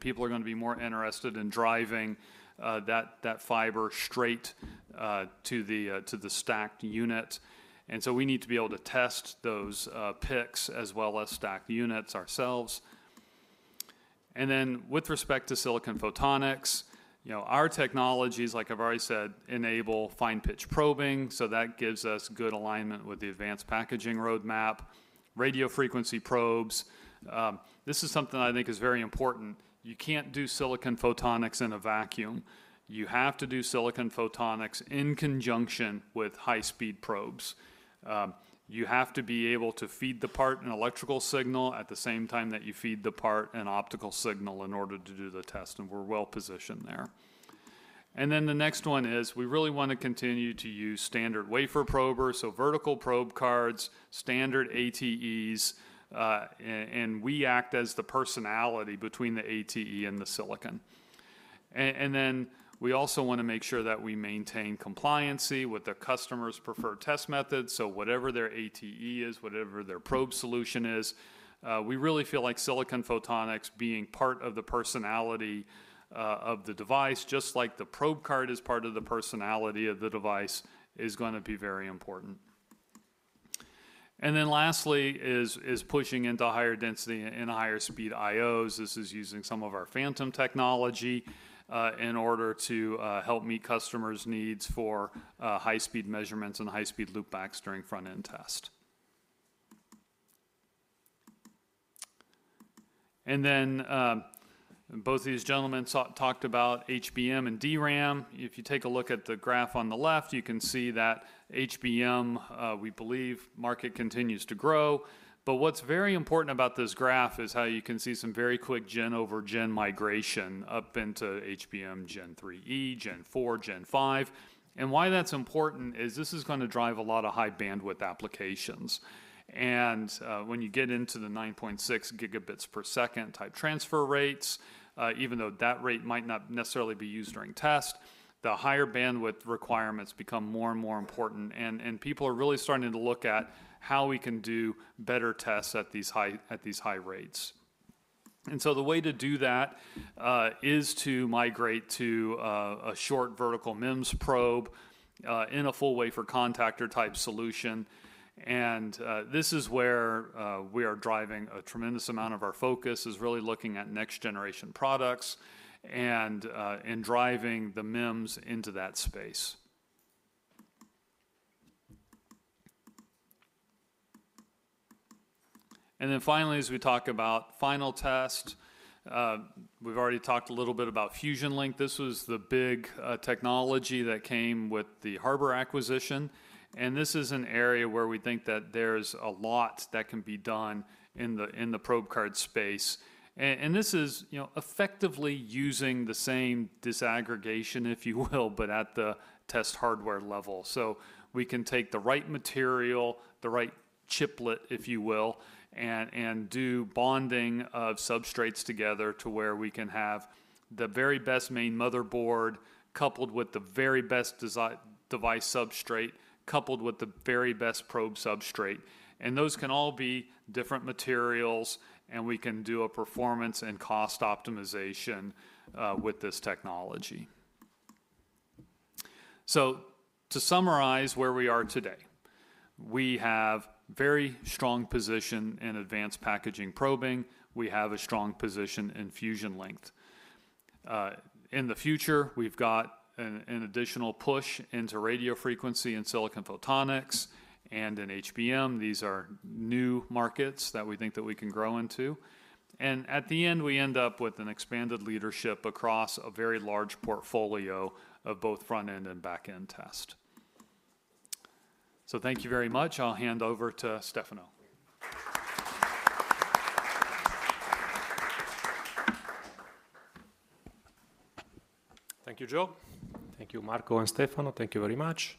People are going to be more interested in driving that fiber straight to the stacked unit. We need to be able to test those picks as well as stacked units ourselves. With respect to silicon photonics, our technologies, like I have already said, enable fine pitch probing. That gives us good alignment with the advanced packaging roadmap. Radio frequency probes, this is something I think is very important. You cannot do silicon photonics in a vacuum. You have to do silicon photonics in conjunction with high-speed probes. You have to be able to feed the part an electrical signal at the same time that you feed the part an optical signal in order to do the test. We are well positioned there. The next one is we really want to continue to use standard wafer prober, so vertical probe cards, standard ATEs. We act as the personality between the ATE and the silicon. We also want to make sure that we maintain compliancy with the customer's preferred test method. Whatever their ATE is, whatever their probe solution is, we really feel like silicon photonics being part of the personality of the device, just like the probe card is part of the personality of the device, is going to be very important. Lastly, pushing into higher density and higher speed I/Os is using some of our phantom technology in order to help meet customers' needs for high-speed measurements and high-speed loopbacks during front-end test. Both of these gentlemen talked about HBM and DRAM. If you take a look at the graph on the left, you can see that HBM, we believe, market continues to grow. What's very important about this graph is how you can see some very quick gen-over-gen migration up into HBM gen 3e, gen 4, gen 5. Why that's important is this is going to drive a lot of high bandwidth applications. When you get into the 9.6 Gbs per second type transfer rates, even though that rate might not necessarily be used during test, the higher bandwidth requirements become more and more important. People are really starting to look at how we can do better tests at these high rates. The way to do that is to migrate to a short vertical MEMS probe in a full wafer contactor type solution. This is where we are driving a tremendous amount of our focus, really looking at next generation products and driving the MEMS into that space. Finally, as we talk about final test, we've already talked a little bit about Fusion Link. This was the big technology that came with the Harbor acquisition. This is an area where we think that there's a lot that can be done in the probe card space. This is effectively using the same disaggregation, if you will, but at the test hardware level. We can take the right material, the right chiplet, if you will, and do bonding of substrates together to where we can have the very best main motherboard coupled with the very best device substrate, coupled with the very best probe substrate. Those can all be different materials, and we can do a performance and cost optimization with this technology. To summarize where we are today, we have a very strong position in advanced packaging probing. We have a strong position in Fusion Link. In the future, we've got an additional push into radio frequency and silicon photonics and in HBM. These are new markets that we think that we can grow into. At the end, we end up with an expanded leadership across a very large portfolio of both front-end and back-end test. Thank you very much. I'll hand over to Stefano. Thank you, Joe. Thank you, Marco and Stefano. Thank you very much.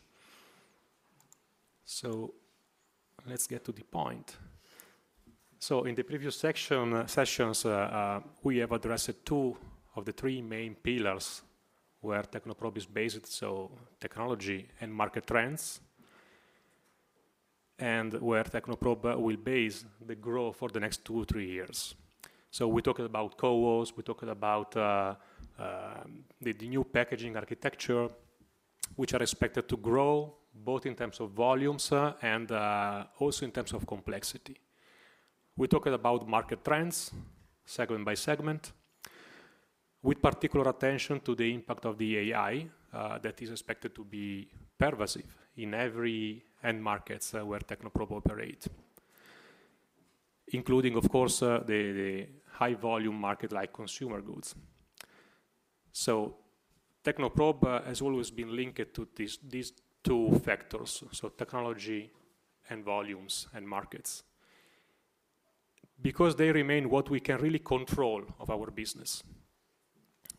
Let's get to the point. In the previous sessions, we have addressed two of the three main pillars where Technoprobe is based, technology and market trends, and where Technoprobe will base the growth for the next two or three years. We talked about co-ops. We talked about the new packaging architecture, which are expected to grow both in terms of volumes and also in terms of complexity. We talked about market trends segment by segment with particular attention to the impact of the AI that is expected to be pervasive in every end market where Technoprobe operates, including, of course, the high volume market like consumer goods. Technoprobe has always been linked to these two factors, so technology and volumes and markets, because they remain what we can really control of our business.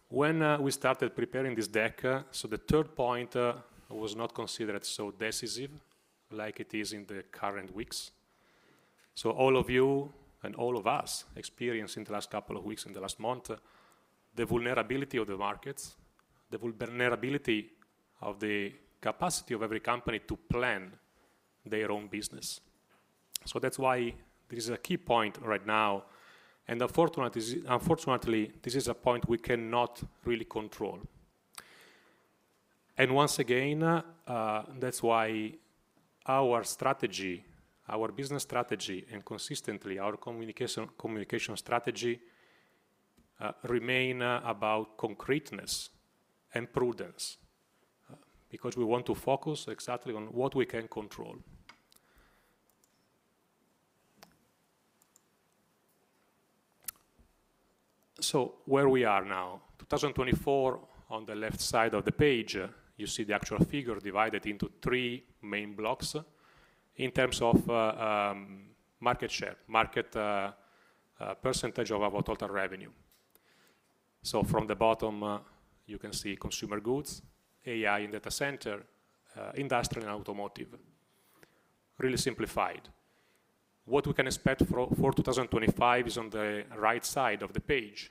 When we started preparing this deck, the third point was not considered so decisive like it is in the current weeks. All of you and all of us experienced in the last couple of weeks, in the last month, the vulnerability of the markets, the vulnerability of the capacity of every company to plan their own business. That is why this is a key point right now. Unfortunately, this is a point we cannot really control. Once again, that is why our strategy, our business strategy, and consistently our communication strategy remain about concreteness and prudence because we want to focus exactly on what we can control. Where we are now, 2024, on the left side of the page, you see the actual figure divided into three main blocks in terms of market share, market percentage of our total revenue. From the bottom, you can see consumer goods, AI and data center, industrial and automotive, really simplified. What we can expect for 2025 is on the right side of the page.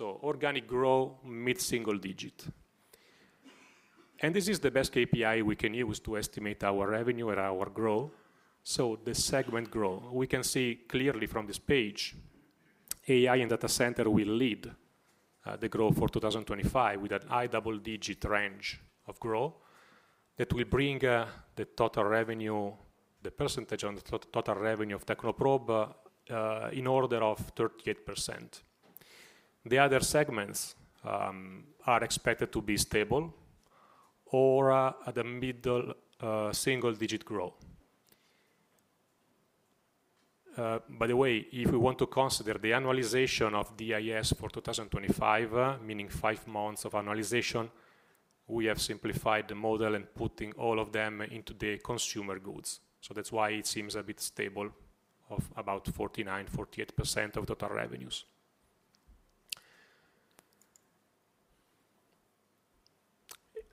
Organic growth, mid-single digit. This is the best KPI we can use to estimate our revenue and our growth. The segment growth, we can see clearly from this page, AI and data center will lead the growth for 2025 with a double-digit range of growth that will bring the total revenue, the percentage on the total revenue of Technoprobe in order of 38%. The other segments are expected to be stable or at the middle single-digit growth. By the way, if we want to consider the annualization of DIS for 2025, meaning five months of annualization, we have simplified the model and put all of them into the consumer goods. That is why it seems a bit stable at about 49%-48% of total revenues.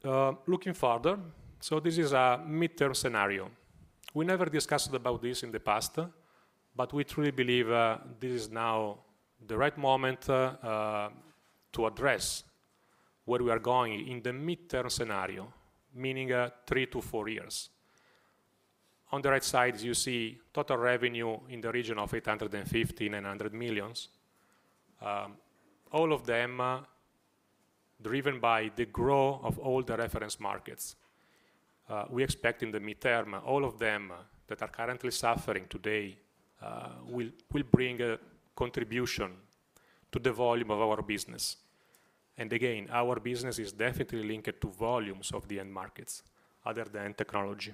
Looking further, this is a mid-term scenario. We never discussed about this in the past, but we truly believe this is now the right moment to address where we are going in the mid-term scenario, meaning three years- four years. On the right side, you see total revenue in the region of 850 million-900 million, all of them driven by the growth of all the reference markets. We expect in the mid-term, all of them that are currently suffering today will bring a contribution to the volume of our business. Again, our business is definitely linked to volumes of the end markets other than technology.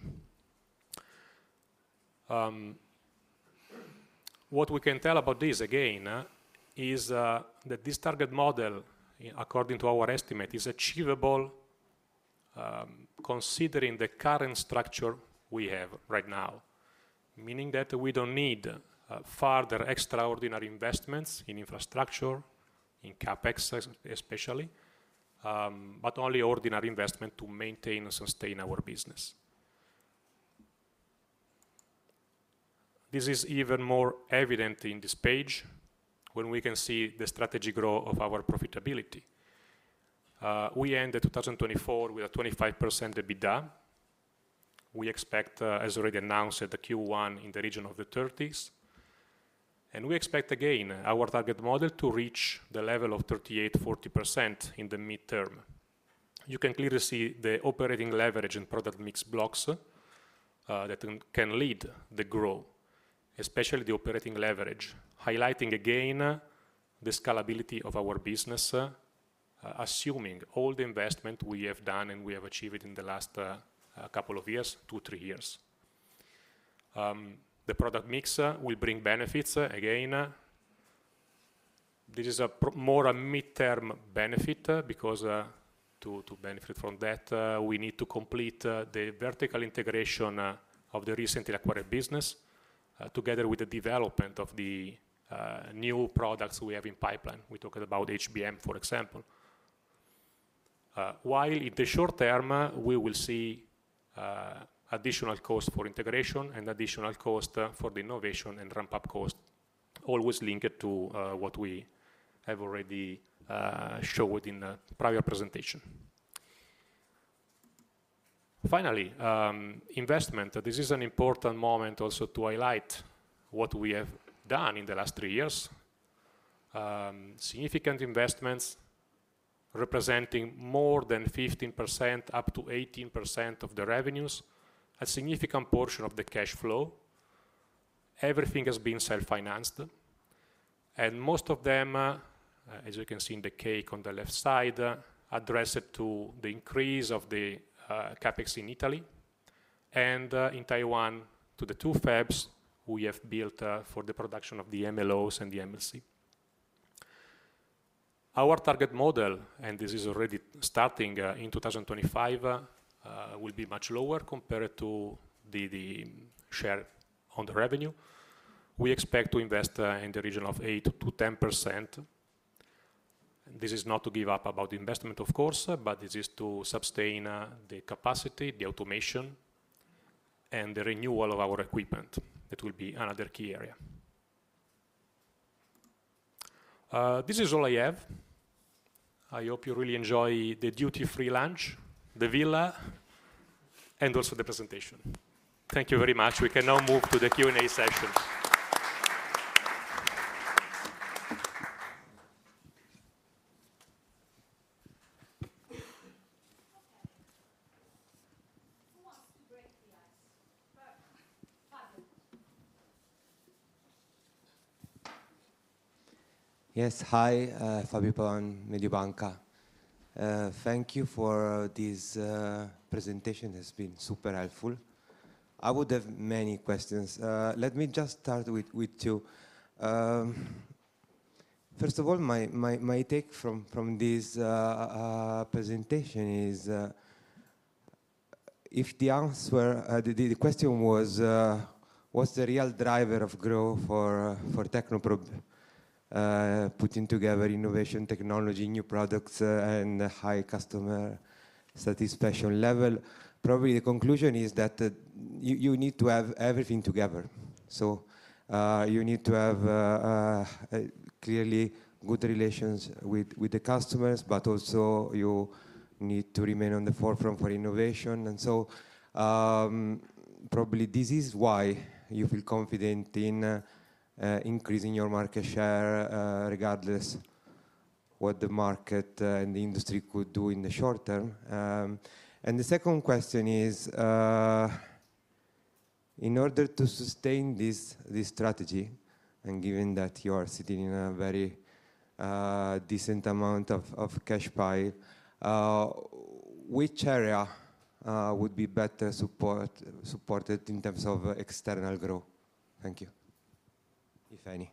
What we can tell about this, again, is that this target model, according to our estimate, is achievable considering the current structure we have right now, meaning that we do not need further extraordinary investments in infrastructure, in CapEx especially, but only ordinary investment to maintain and sustain our business. This is even more evident in this page when we can see the strategy growth of our profitability. We ended 2024 with a 25% EBITDA. We expect, as already announced, the Q1 in the region of the 30s. We expect, again, our target model to reach the level of 38%-40% in the mid-term. You can clearly see the operating leverage and product mix blocks that can lead the growth, especially the operating leverage, highlighting again the scalability of our business, assuming all the investment we have done and we have achieved in the last couple of years, two, three years. The product mix will bring benefits. Again, this is more a mid-term benefit because to benefit from that, we need to complete the vertical integration of the recently acquired business together with the development of the new products we have in pipeline. We talked about HBM, for example. While in the short term, we will see additional costs for integration and additional costs for the innovation and ramp-up costs always linked to what we have already showed in the prior presentation. Finally, investment, this is an important moment also to highlight what we have done in the last three years. Significant investments representing more than 15%, up to 18% of the revenues, a significant portion of the cash flow. Everything has been self-financed. Most of them, as you can see in the cake on the left side, address it to the increase of the CapEx in Italy and in Taiwan to the two fabs we have built for the production of the MLOs and the MLC. Our target model, and this is already starting in 2025, will be much lower compared to the share on the revenue. We expect to invest in the region of 8%-10%. This is not to give up about the investment, of course, but this is to sustain the capacity, the automation, and the renewal of our equipment. That will be another key area. This is all I have. I hope you really enjoy the duty-free lunch, the villa, and also the presentation. Thank you very much. We can now move to the Q&A session. Yes, hi, Fabio Polan, Mediobanca. Thank you for this presentation. It has been super helpful. I would have many questions. Let me just start with two. First of all, my take from this presentation is if the answer, the question was, what's the real driver of growth for Technoprobe putting together innovation, technology, new products, and high customer satisfaction level? Probably the conclusion is that you need to have everything together. You need to have clearly good relations with the customers, but also you need to remain on the forefront for innovation. Probably this is why you feel confident in increasing your market share regardless of what the market and the industry could do in the short term. The second question is, in order to sustain this strategy, and given that you are sitting in a very decent amount of cash pile, which area would be better supported in terms of external growth? Thank you, if any.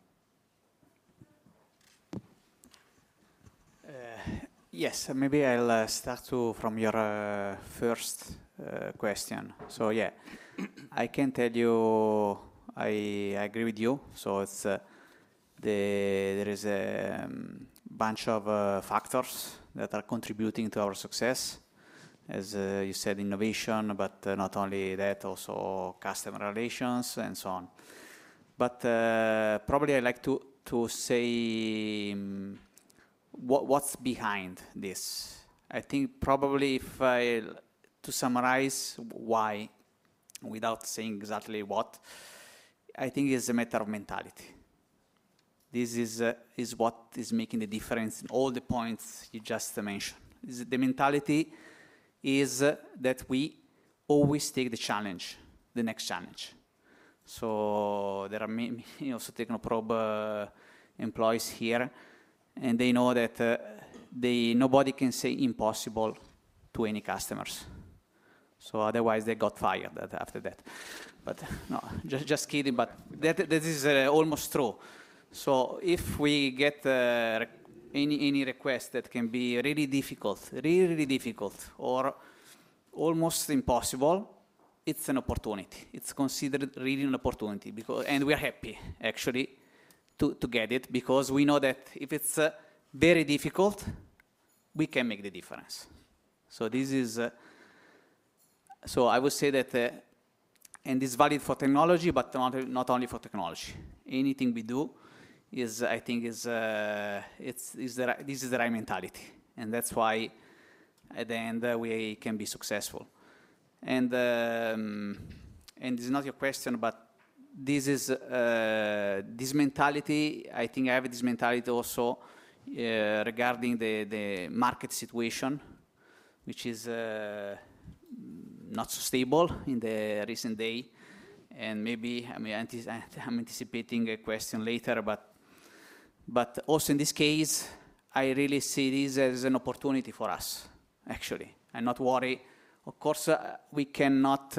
Yes, maybe I'll start from your first question. Yeah, I can tell you I agree with you. There is a bunch of factors that are contributing to our success, as you said, innovation, but not only that, also customer relations and so on. Probably I'd like to say what's behind this. I think probably if I have to summarize why, without saying exactly what, I think it's a matter of mentality. This is what is making the difference in all the points you just mentioned. The mentality is that we always take the challenge, the next challenge. There are also many Technoprobe employees here, and they know that nobody can say impossible to any customers. Otherwise, they get fired after that. No, just kidding, but this is almost true. If we get any request that can be really difficult, really, really difficult or almost impossible, it's an opportunity. It's considered really an opportunity. We're happy, actually, to get it because we know that if it's very difficult, we can make the difference. This is, I would say, valid for technology, but not only for technology. Anything we do is, I think, this is the right mentality. That's why at the end, we can be successful. This is not your question, but this mentality, I think I have this mentality also regarding the market situation, which is not so stable in the recent day. Maybe I'm anticipating a question later, but also in this case, I really see this as an opportunity for us, actually, and not worry. Of course, we cannot,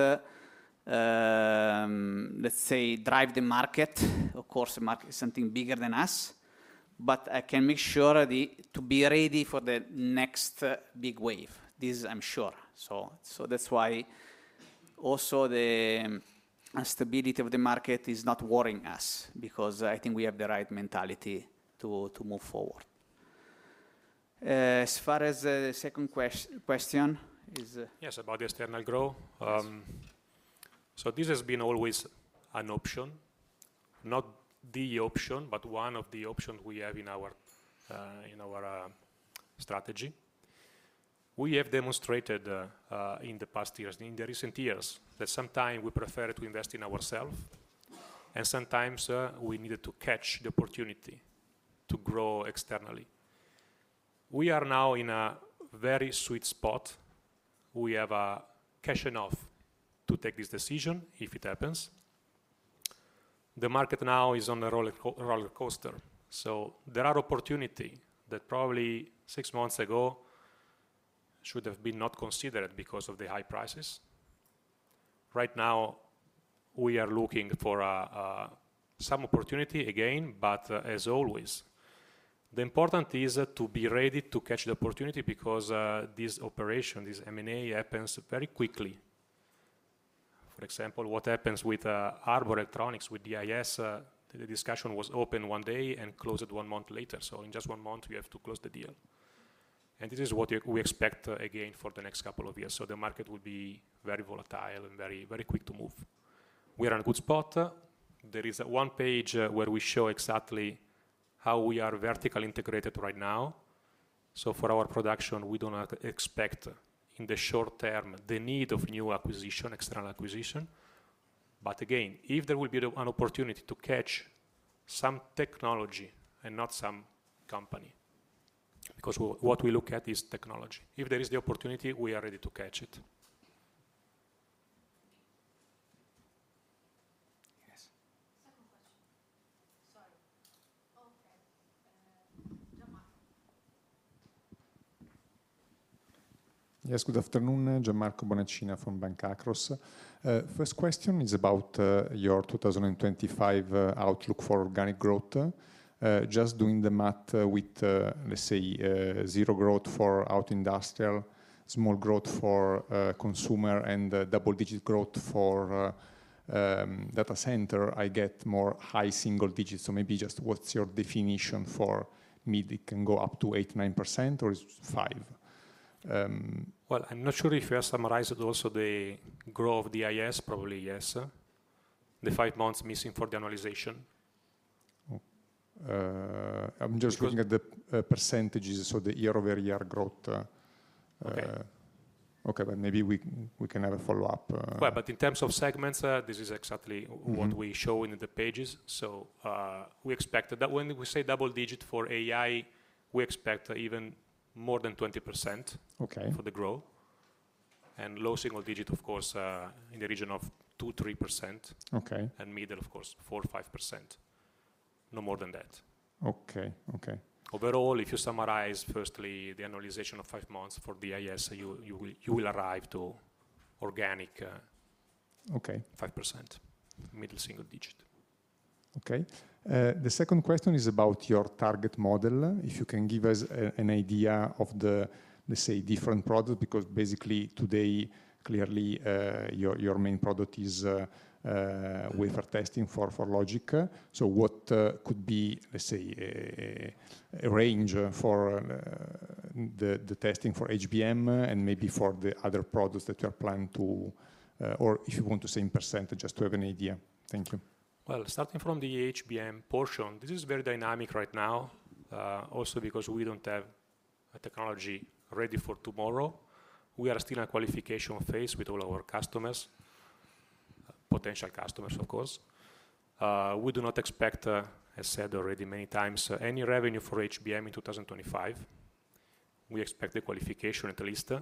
let's say, drive the market. Of course, the market is something bigger than us, but I can make sure to be ready for the next big wave. This is, I'm sure. That is why also the stability of the market is not worrying us because I think we have the right mentality to move forward. As far as the second question is. Yes, about the external growth. This has been always an option, not the option, but one of the options we have in our strategy. We have demonstrated in the past years, in the recent years, that sometimes we prefer to invest in ourselves, and sometimes we needed to catch the opportunity to grow externally. We are now in a very sweet spot. We have cash enough to take this decision if it happens. The market now is on a roller coaster. There are opportunities that probably six months ago should have been not considered because of the high prices. Right now, we are looking for some opportunity again, but as always, the important thing is to be ready to catch the opportunity because this operation, this M&A happens very quickly. For example, what happens with Harbor Electronics, with DIS, the discussion was open one day and closed one month later. In just one month, you have to close the deal. This is what we expect again for the next couple of years. The market will be very volatile and very, very quick to move. We are in a good spot. There is a one page where we show exactly how we are vertically integrated right now. For our production, we do not expect in the short term the need of new acquisition, external acquisition. Again, if there will be an opportunity to catch some technology and not some company, because what we look at is technology. If there is the opportunity, we are ready to catch it. Yes. Second question. Sorry. Okay. Yes, good afternoon. Gianmarco Bonacina from Banca Akros. First question is about your 2025 outlook for organic growth. Just doing the math with, let's say, zero growth for auto industrial, small growth for consumer, and double-digit growth for data center, I get more high single digits. Just what's your definition for mid? It can go up to 8%-9%, or is it 5%? I'm not sure if you have summarized also the growth of DIS, probably yes. The five months missing for the annualization. I'm just looking at the percentages, so the year-over-year growth. Okay, but maybe we can have a follow-up. In terms of segments, this is exactly what we show in the pages. We expect that when we say double-digit for AI, we expect even more than 20% for the growth. Low single digit, of course, in the region of 2%-3%. Middle, of course, 4%-5%. No more than that. Okay. Overall, if you summarize firstly the annualization of five months for DIS, you will arrive to organic 5%, middle single digit. Okay. The second question is about your target model. If you can give us an idea of the, let's say, different products, because basically today, clearly, your main product is wafer testing for logic. So what could be, let's say, a range for the testing for HBM and maybe for the other products that you are planning to, or if you want to say in percentage, just to have an idea. Thank you. Starting from the HBM portion, this is very dynamic right now, also because we do not have technology ready for tomorrow. We are still in a qualification phase with all our customers, potential customers, of course. We do not expect, as said already many times, any revenue for HBM in 2025. We expect the qualification at least.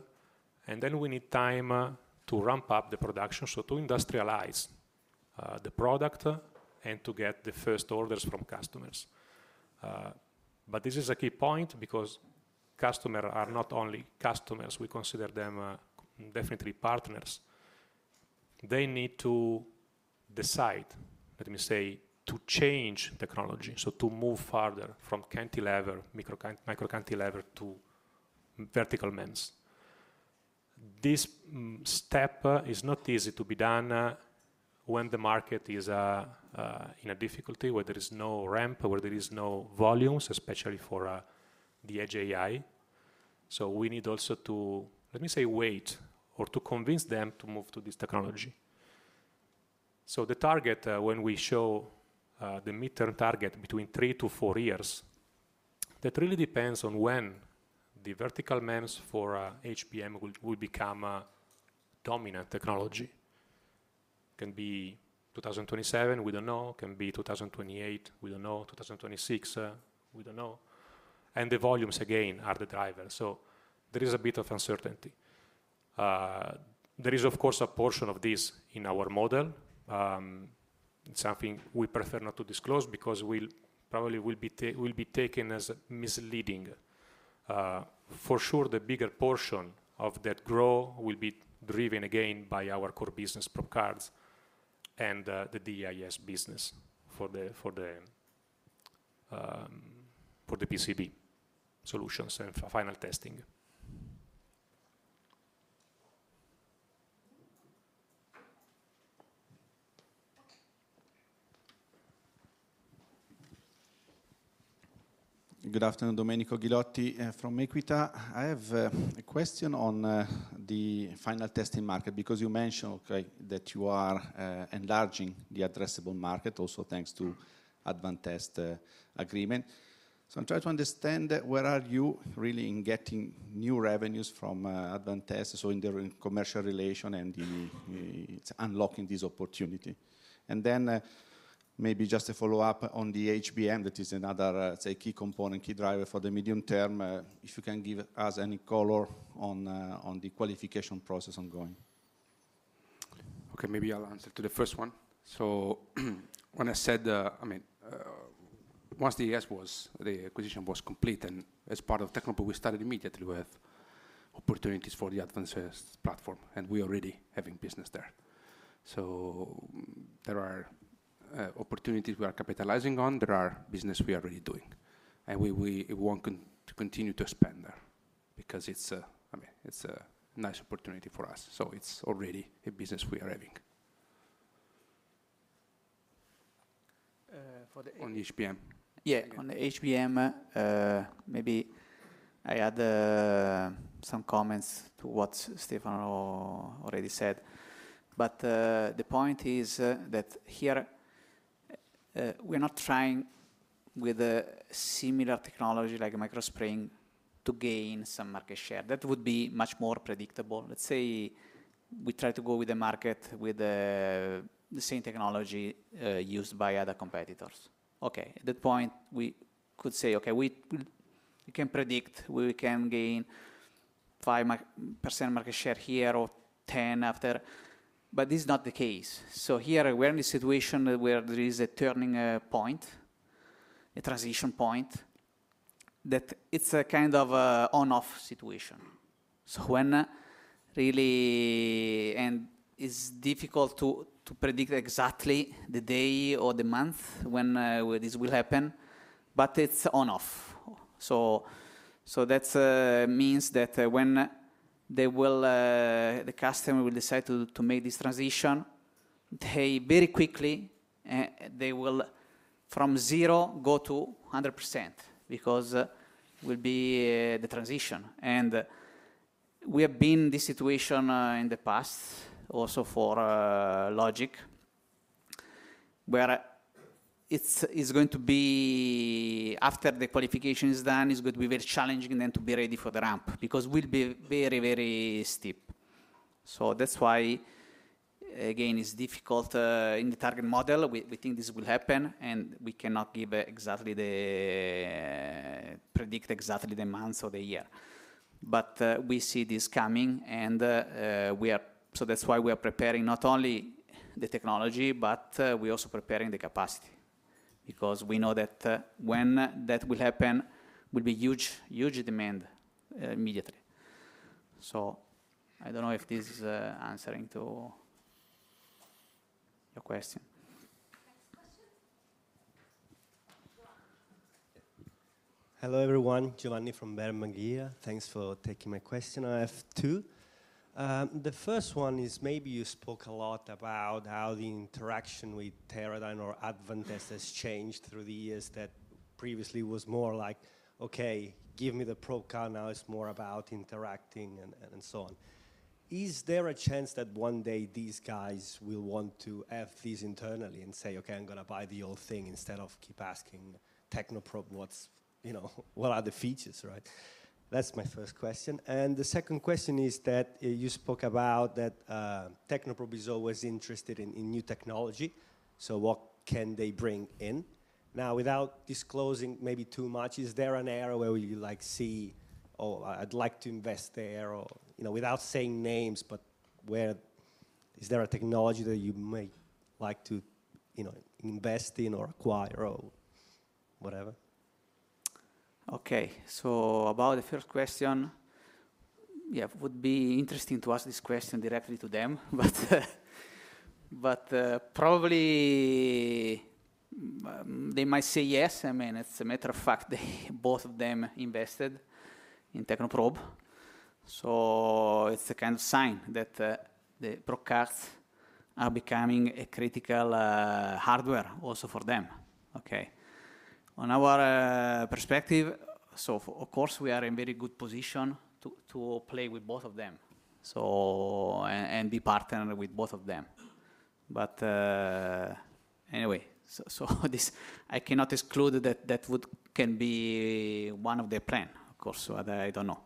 We need time to ramp up the production, to industrialize the product and to get the first orders from customers. This is a key point because customers are not only customers. We consider them definitely partners. They need to decide, let me say, to change technology, to move further from cantilever, micro cantilever to vertical lens. This step is not easy to be done when the market is in a difficulty, where there is no ramp, where there are no volumes, especially for the edge AI. We need also to, let me say, wait or to convince them to move to this technology. The target, when we show the mid-term target between three to four years, that really depends on when the vertical lens for HBM will become a dominant technology. Can be 2027, we do not know. Can be 2028, we do not know. 2026, we do not know. The volumes, again, are the driver. There is a bit of uncertainty. There is, of course, a portion of this in our model. It is something we prefer not to disclose because we probably will be taken as misleading. For sure, the bigger portion of that growth will be driven again by our core business, Probe Cards, and the DIS business for the PCB solutions and final testing. Good afternoon, Domenico Ghilotti from Equita. I have a question on the final testing market because you mentioned that you are enlarging the addressable market, also thanks to Advantest agreement. I am trying to understand where are you really in getting new revenues from Advantest, in the commercial relation and in unlocking this opportunity. Maybe just a follow-up on the HBM, that is another, say, key component, key driver for the medium term. If you can give us any color on the qualification process ongoing. Okay, maybe I'll answer to the first one. When I said, I mean, once the acquisition was complete and as part of Technoprobe, we started immediately with opportunities for the Advantest platform, and we are already having business there. There are opportunities we are capitalizing on. There are businesses we are already doing. We want to continue to expand there because it's a nice opportunity for us. It's already a business we are having. On the HBM? Yeah, on the HBM, maybe I add some comments to what Stefano already said. The point is that here we're not trying with a similar technology like MicroSpring to gain some market share. That would be much more predictable. Let's say we try to go with the market with the same technology used by other competitors. Okay, at that point, we could say, okay, we can predict we can gain 5% market share here or 10% after, but this is not the case. Here we are in a situation where there is a turning point, a transition point, that it's a kind of on-off situation. When really, and it's difficult to predict exactly the day or the month when this will happen, but it's on-off. That means that when the customer will decide to make this transition, very quickly, they will from zero go to 100% because it will be the transition. We have been in this situation in the past, also for Logiq, where it's going to be after the qualification is done, it's going to be very challenging then to be ready for the ramp because it will be very, very steep. That's why, again, it's difficult in the target model. We think this will happen, and we cannot give exactly, predict exactly the month or the year. We see this coming, and we are, that's why we are preparing not only the technology, but we are also preparing the capacity because we know that when that will happen, there will be huge, huge demand immediately. I don't know if this is answering to your question. Next question. Hello everyone, Giovanni from [Bermeguia]. Thanks for taking my question. I have two. The first one is maybe you spoke a lot about how the interaction with Teradyne or Advantest has changed through the years that previously was more like, okay, give me the Probe Card, now it's more about interacting and so on. Is there a chance that one day these guys will want to have this internally and say, okay, I'm going to buy the whole thing instead of keep asking Technoprobe what are the features, right? That's my first question. The second question is that you spoke about that Technoprobe is always interested in new technology. What can they bring in? Now, without disclosing maybe too much, is there an area where you see, oh, I'd like to invest there or without saying names, but is there a technology that you may like to invest in or acquire or whatever? Okay, so about the first question, yeah, it would be interesting to ask this question directly to them, but probably they might say yes. I mean, it's a matter of fact that both of them invested in Technoprobe. So it's a kind of sign that the Probe Cards are becoming a critical hardware also for them. Okay. On our perspective, of course, we are in a very good position to play with both of them and be partnered with both of them. Anyway, I cannot exclude that that can be one of their plans, of course. I don't know.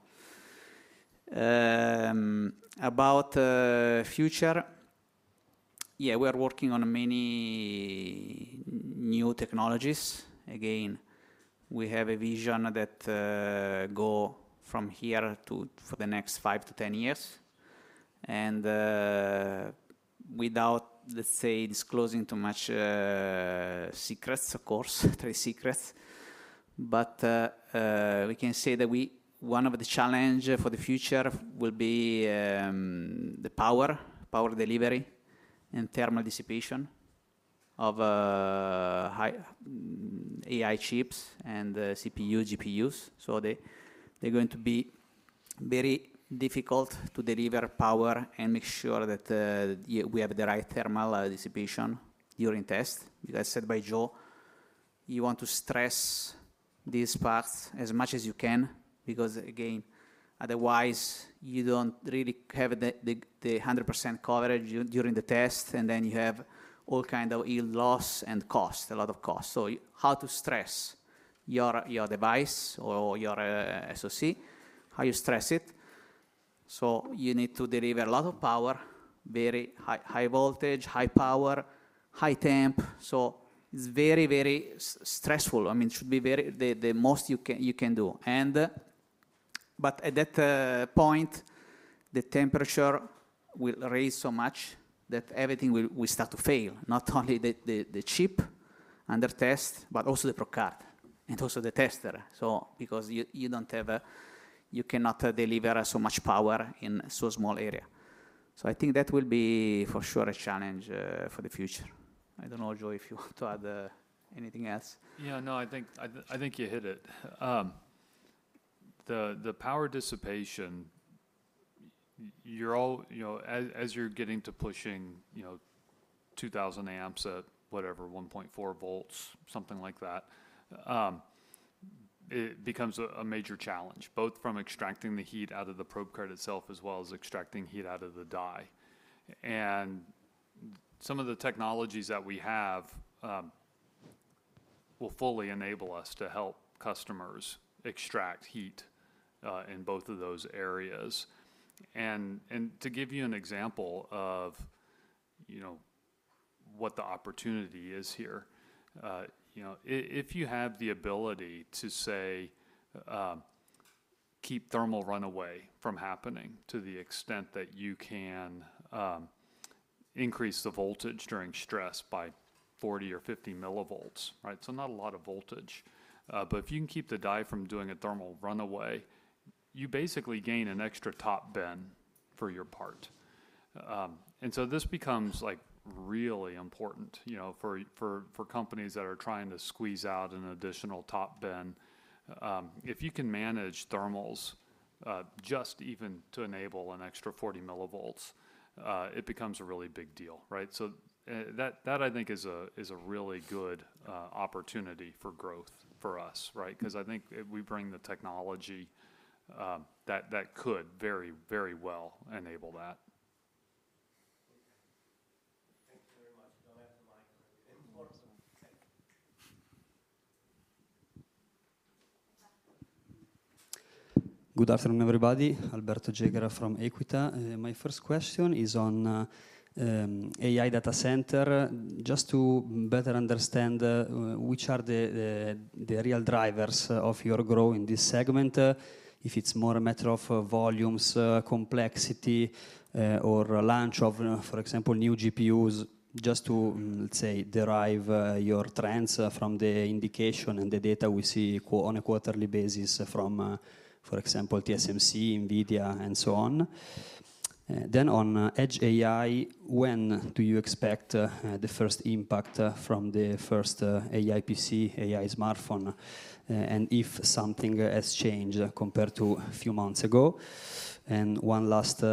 About future, yeah, we are working on many new technologies. Again, we have a vision that go from here to for the next five to ten years. Without, let's say, disclosing too much secrets, of course, three secrets, but we can say that one of the challenges for the future will be the power, power delivery and thermal dissipation of AI chips and CPU, GPUs. They're going to be very difficult to deliver power and make sure that we have the right thermal dissipation during test. As said by Joe, you want to stress these parts as much as you can because, again, otherwise, you don't really have the 100% coverage during the test, and then you have all kinds of yield loss and cost, a lot of cost. How to stress your device or your SOC, how you stress it. You need to deliver a lot of power, very high voltage, high power, high temp. It is very, very stressful. I mean, it should be the most you can do. At that point, the temperature will raise so much that everything will start to fail, not only the chip under test, but also the probe card and also the tester, because you cannot deliver so much power in so small area. I think that will be for sure a challenge for the future. I do not know, Joe, if you want to add anything else. Yeah, no, I think you hit it. The power dissipation, as you're getting to pushing 2,000 amps at whatever, 1.4 volts, something like that, it becomes a major challenge, both from extracting the heat out of the probe card itself as well as extracting heat out of the die. Some of the technologies that we have will fully enable us to help customers extract heat in both of those areas. To give you an example of what the opportunity is here, if you have the ability to, say, keep thermal runaway from happening to the extent that you can increase the voltage during stress by 40 millivolts or 50 millivolts, right? Not a lot of voltage. If you can keep the die from doing a thermal runaway, you basically gain an extra top bend for your part. This becomes really important for companies that are trying to squeeze out an additional top bend. If you can manage thermals just even to enable an extra 40 millivolts, it becomes a really big deal, right? That, I think, is a really good opportunity for growth for us, right? Because I think we bring the technology that could very, very well enable that. Thank you very much. Don't answer the mic. Good afternoon, everybody. Alberto Gegra from Equita. My first question is on AI data center, just to better understand which are the real drivers of your growth in this segment, if it's more a matter of volumes, complexity, or launch of, for example, new GPUs, just to, let's say, derive your trends from the indication and the data we see on a quarterly basis from, for example, TSMC, NVIDIA, and so on. On Edge AI, when do you expect the first impact from the first AI PC, AI smartphone, and if something has changed compared to a few months ago? One last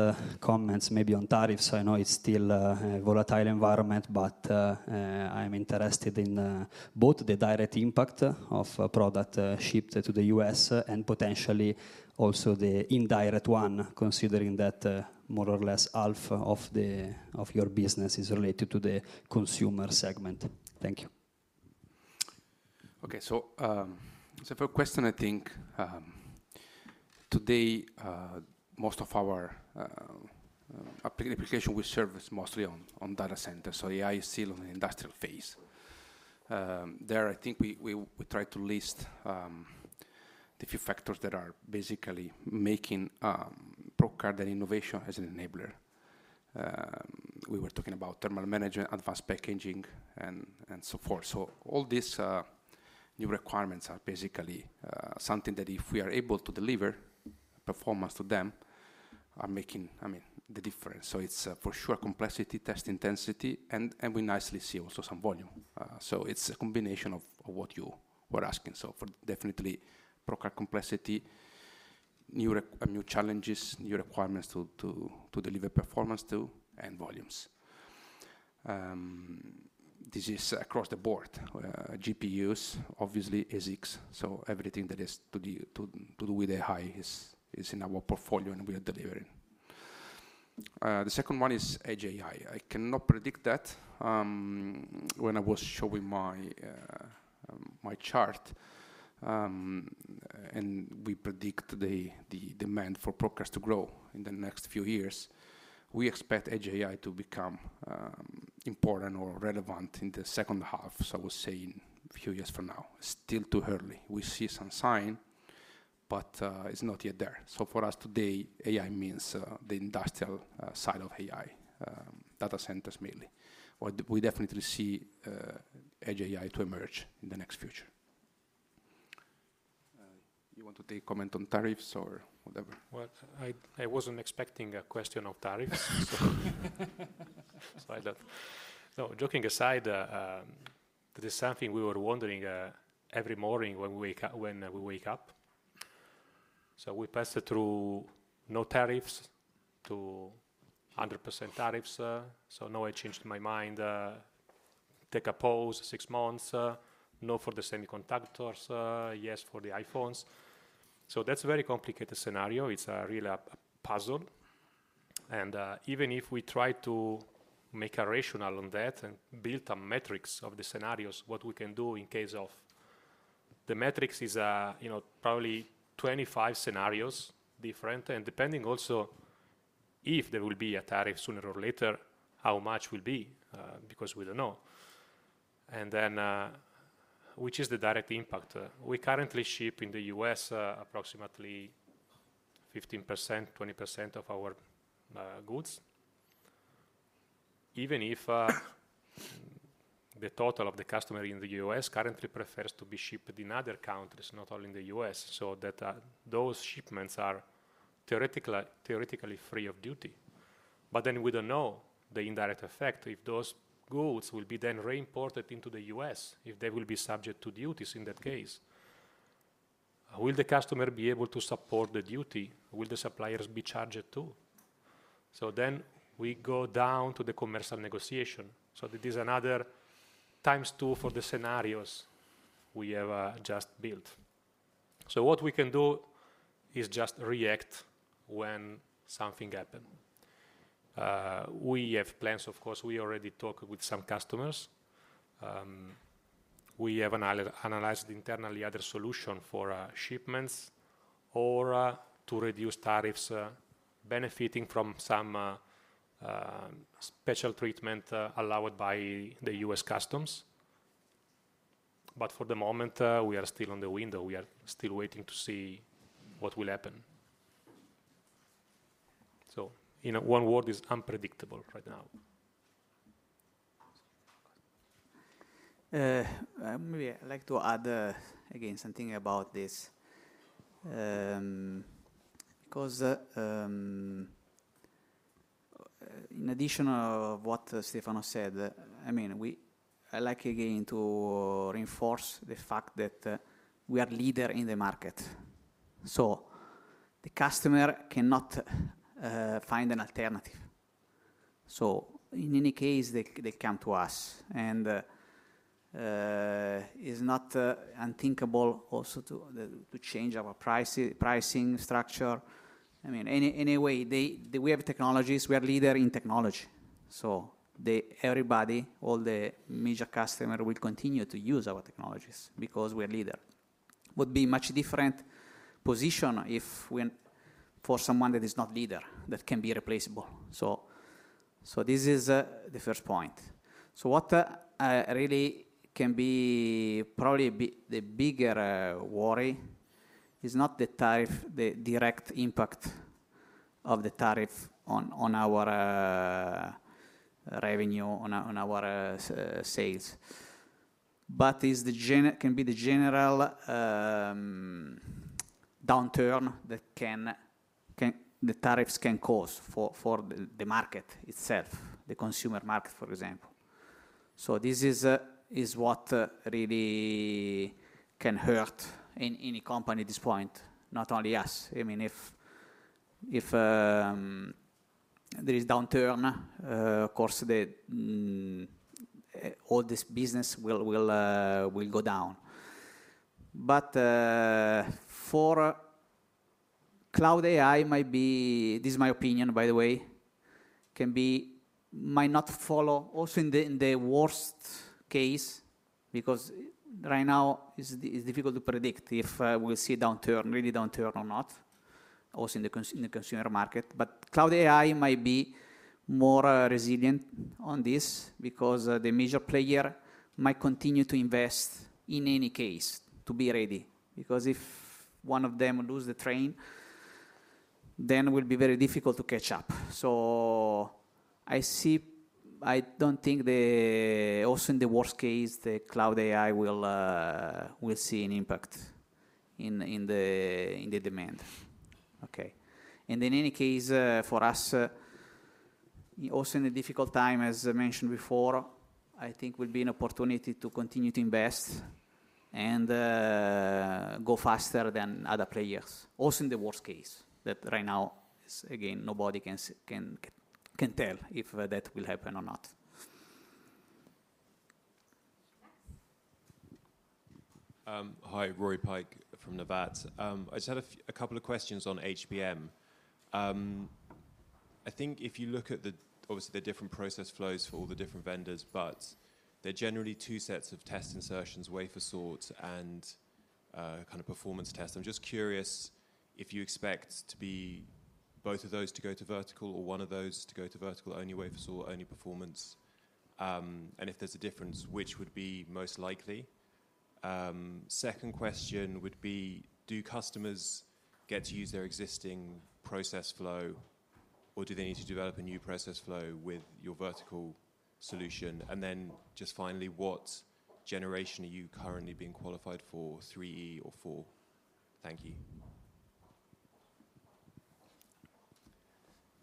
comment, maybe on tariffs. I know it's still a volatile environment, but I'm interested in both the direct impact of a product shipped to the U.S. and potentially also the indirect one, considering that more or less half of your business is related to the consumer segment. Thank you. Okay, for a question, I think today, most of our application we serve is mostly on data centers. AI is still in the industrial phase. There, I think we try to list the few factors that are basically making Probe Card and innovation as an enabler. We were talking about thermal management, advanced packaging, and so forth. All these new requirements are basically something that if we are able to deliver performance to them, are making, I mean, the difference. It is for sure complexity, test intensity, and we nicely see also some volume. It is a combination of what you were asking. Definitely Probe Card complexity, new challenges, new requirements to deliver performance to, and volumes. This is across the board. GPUs, obviously, ASICs, so everything that has to do with AI is in our portfolio and we are delivering. The second one is Edge AI. I cannot predict that. When I was showing my chart and we predict the demand for Probe Card to grow in the next few years, we expect Edge AI to become important or relevant in the second half, so I would say in a few years from now. Still too early. We see some sign, but it's not yet there. For us today, AI means the industrial side of AI, data centers mainly. We definitely see Edge AI to emerge in the next future. You want to take a comment on tariffs or whatever? I wasn't expecting a question of tariffs. Joking aside, this is something we were wondering every morning when we wake up. We passed through no tariffs to 100% tariffs. Now I changed my mind, take a pause, six months, no for the semiconductors, yes for the iPhones. That is a very complicated scenario. It's really a puzzle. Even if we try to make a rationale on that and build some metrics of the scenarios, what we can do in case of the metrics is probably 25 scenarios different. Depending also if there will be a tariff sooner or later, how much it will be because we don't know. Which is the direct impact? We currently ship in the U.S. approximately 15%-20% of our goods. Even if the total of the customer in the U.S. currently prefers to be shipped in other countries, not only in the U.S., so that those shipments are theoretically free of duty. We do not know the indirect effect if those goods will be then re-imported into the U.S., if they will be subject to duties in that case. Will the customer be able to support the duty? Will the suppliers be charged too? We go down to the commercial negotiation. This is another x2 for the scenarios we have just built. What we can do is just react when something happens. We have plans, of course. We already talked with some customers. We have analyzed internally other solutions for shipments or to reduce tariffs, benefiting from some special treatment allowed by the U.S. customs. For the moment, we are still on the window. We are still waiting to see what will happen. In one word, it's unpredictable right now. Maybe I'd like to add, again, something about this. Because in addition to what Stefano said, I'd like again to reinforce the fact that we are leaders in the market. The customer cannot find an alternative. In any case, they come to us. It is not unthinkable also to change our pricing structure. I mean, in any way, we have technologies. We are leaders in technology. Everybody, all the major customers, will continue to use our technologies because we are leaders. It would be a much different position for someone that is not a leader that can be replaceable. This is the first point. What really can be probably the bigger worry is not the direct impact of the tariff on our revenue, on our sales, but it can be the general downturn that the tariffs can cause for the market itself, the consumer market, for example. This is what really can hurt any company at this point, not only us. I mean, if there is downturn, of course, all this business will go down. For Cloud AI, this is my opinion, by the way, it might not follow also in the worst case because right now it's difficult to predict if we'll see a downturn, really downturn or not, also in the consumer market. Cloud AI might be more resilient on this because the major player might continue to invest in any case to be ready. Because if one of them loses the train, then it will be very difficult to catch up. I do not think also in the worst case, Cloud AI will see an impact in the demand. Okay. In any case, for us, also in a difficult time, as I mentioned before, I think it will be an opportunity to continue to invest and go faster than other players. Also in the worst case, that right now, again, nobody can tell if that will happen or not. Hi, Rory Pike from Nevat. I just had a couple of questions on HBM. I think if you look at, obviously, the different process flows for all the different vendors, but there are generally two sets of test insertions, wafer sorts, and kind of performance tests. I'm just curious if you expect both of those to go to vertical or one of those to go to vertical, only wafer sort, only performance. If there's a difference, which would be most likely? Second question would be, do customers get to use their existing process flow, or do they need to develop a new process flow with your vertical solution? Finally, what generation are you currently being qualified for, 3E or 4? Thank you.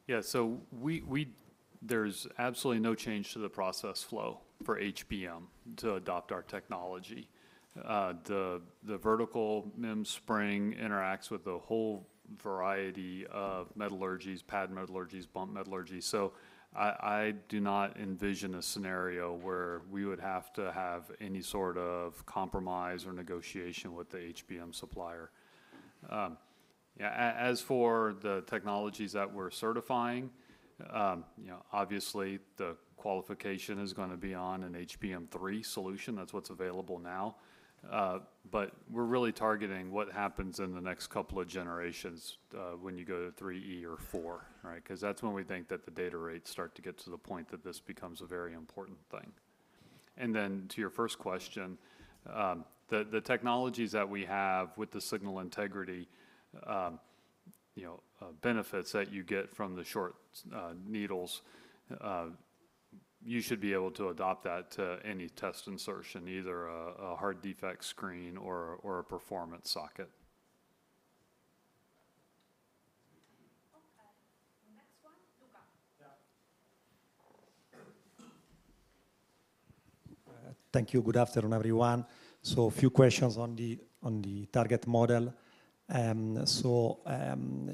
Yeah, so there's absolutely no change to the process flow for HBM to adopt our technology. The vertical MEMS spring interacts with a whole variety of metallurgies, pad metallurgies, bump metallurgies. I do not envision a scenario where we would have to have any sort of compromise or negotiation with the HBM supplier. As for the technologies that we're certifying, obviously, the qualification is going to be on an HBM3 solution. That's what's available now. We're really targeting what happens in the next couple of generations when you go to 3E or 4, right? Because that's when we think that the data rates start to get to the point that this becomes a very important thing. To your first question, the technologies that we have with the signal integrity benefits that you get from the short needles, you should be able to adopt that to any test insertion, either a hard defect screen or a performance socket. Thank you. Good afternoon, everyone. A few questions on the target model.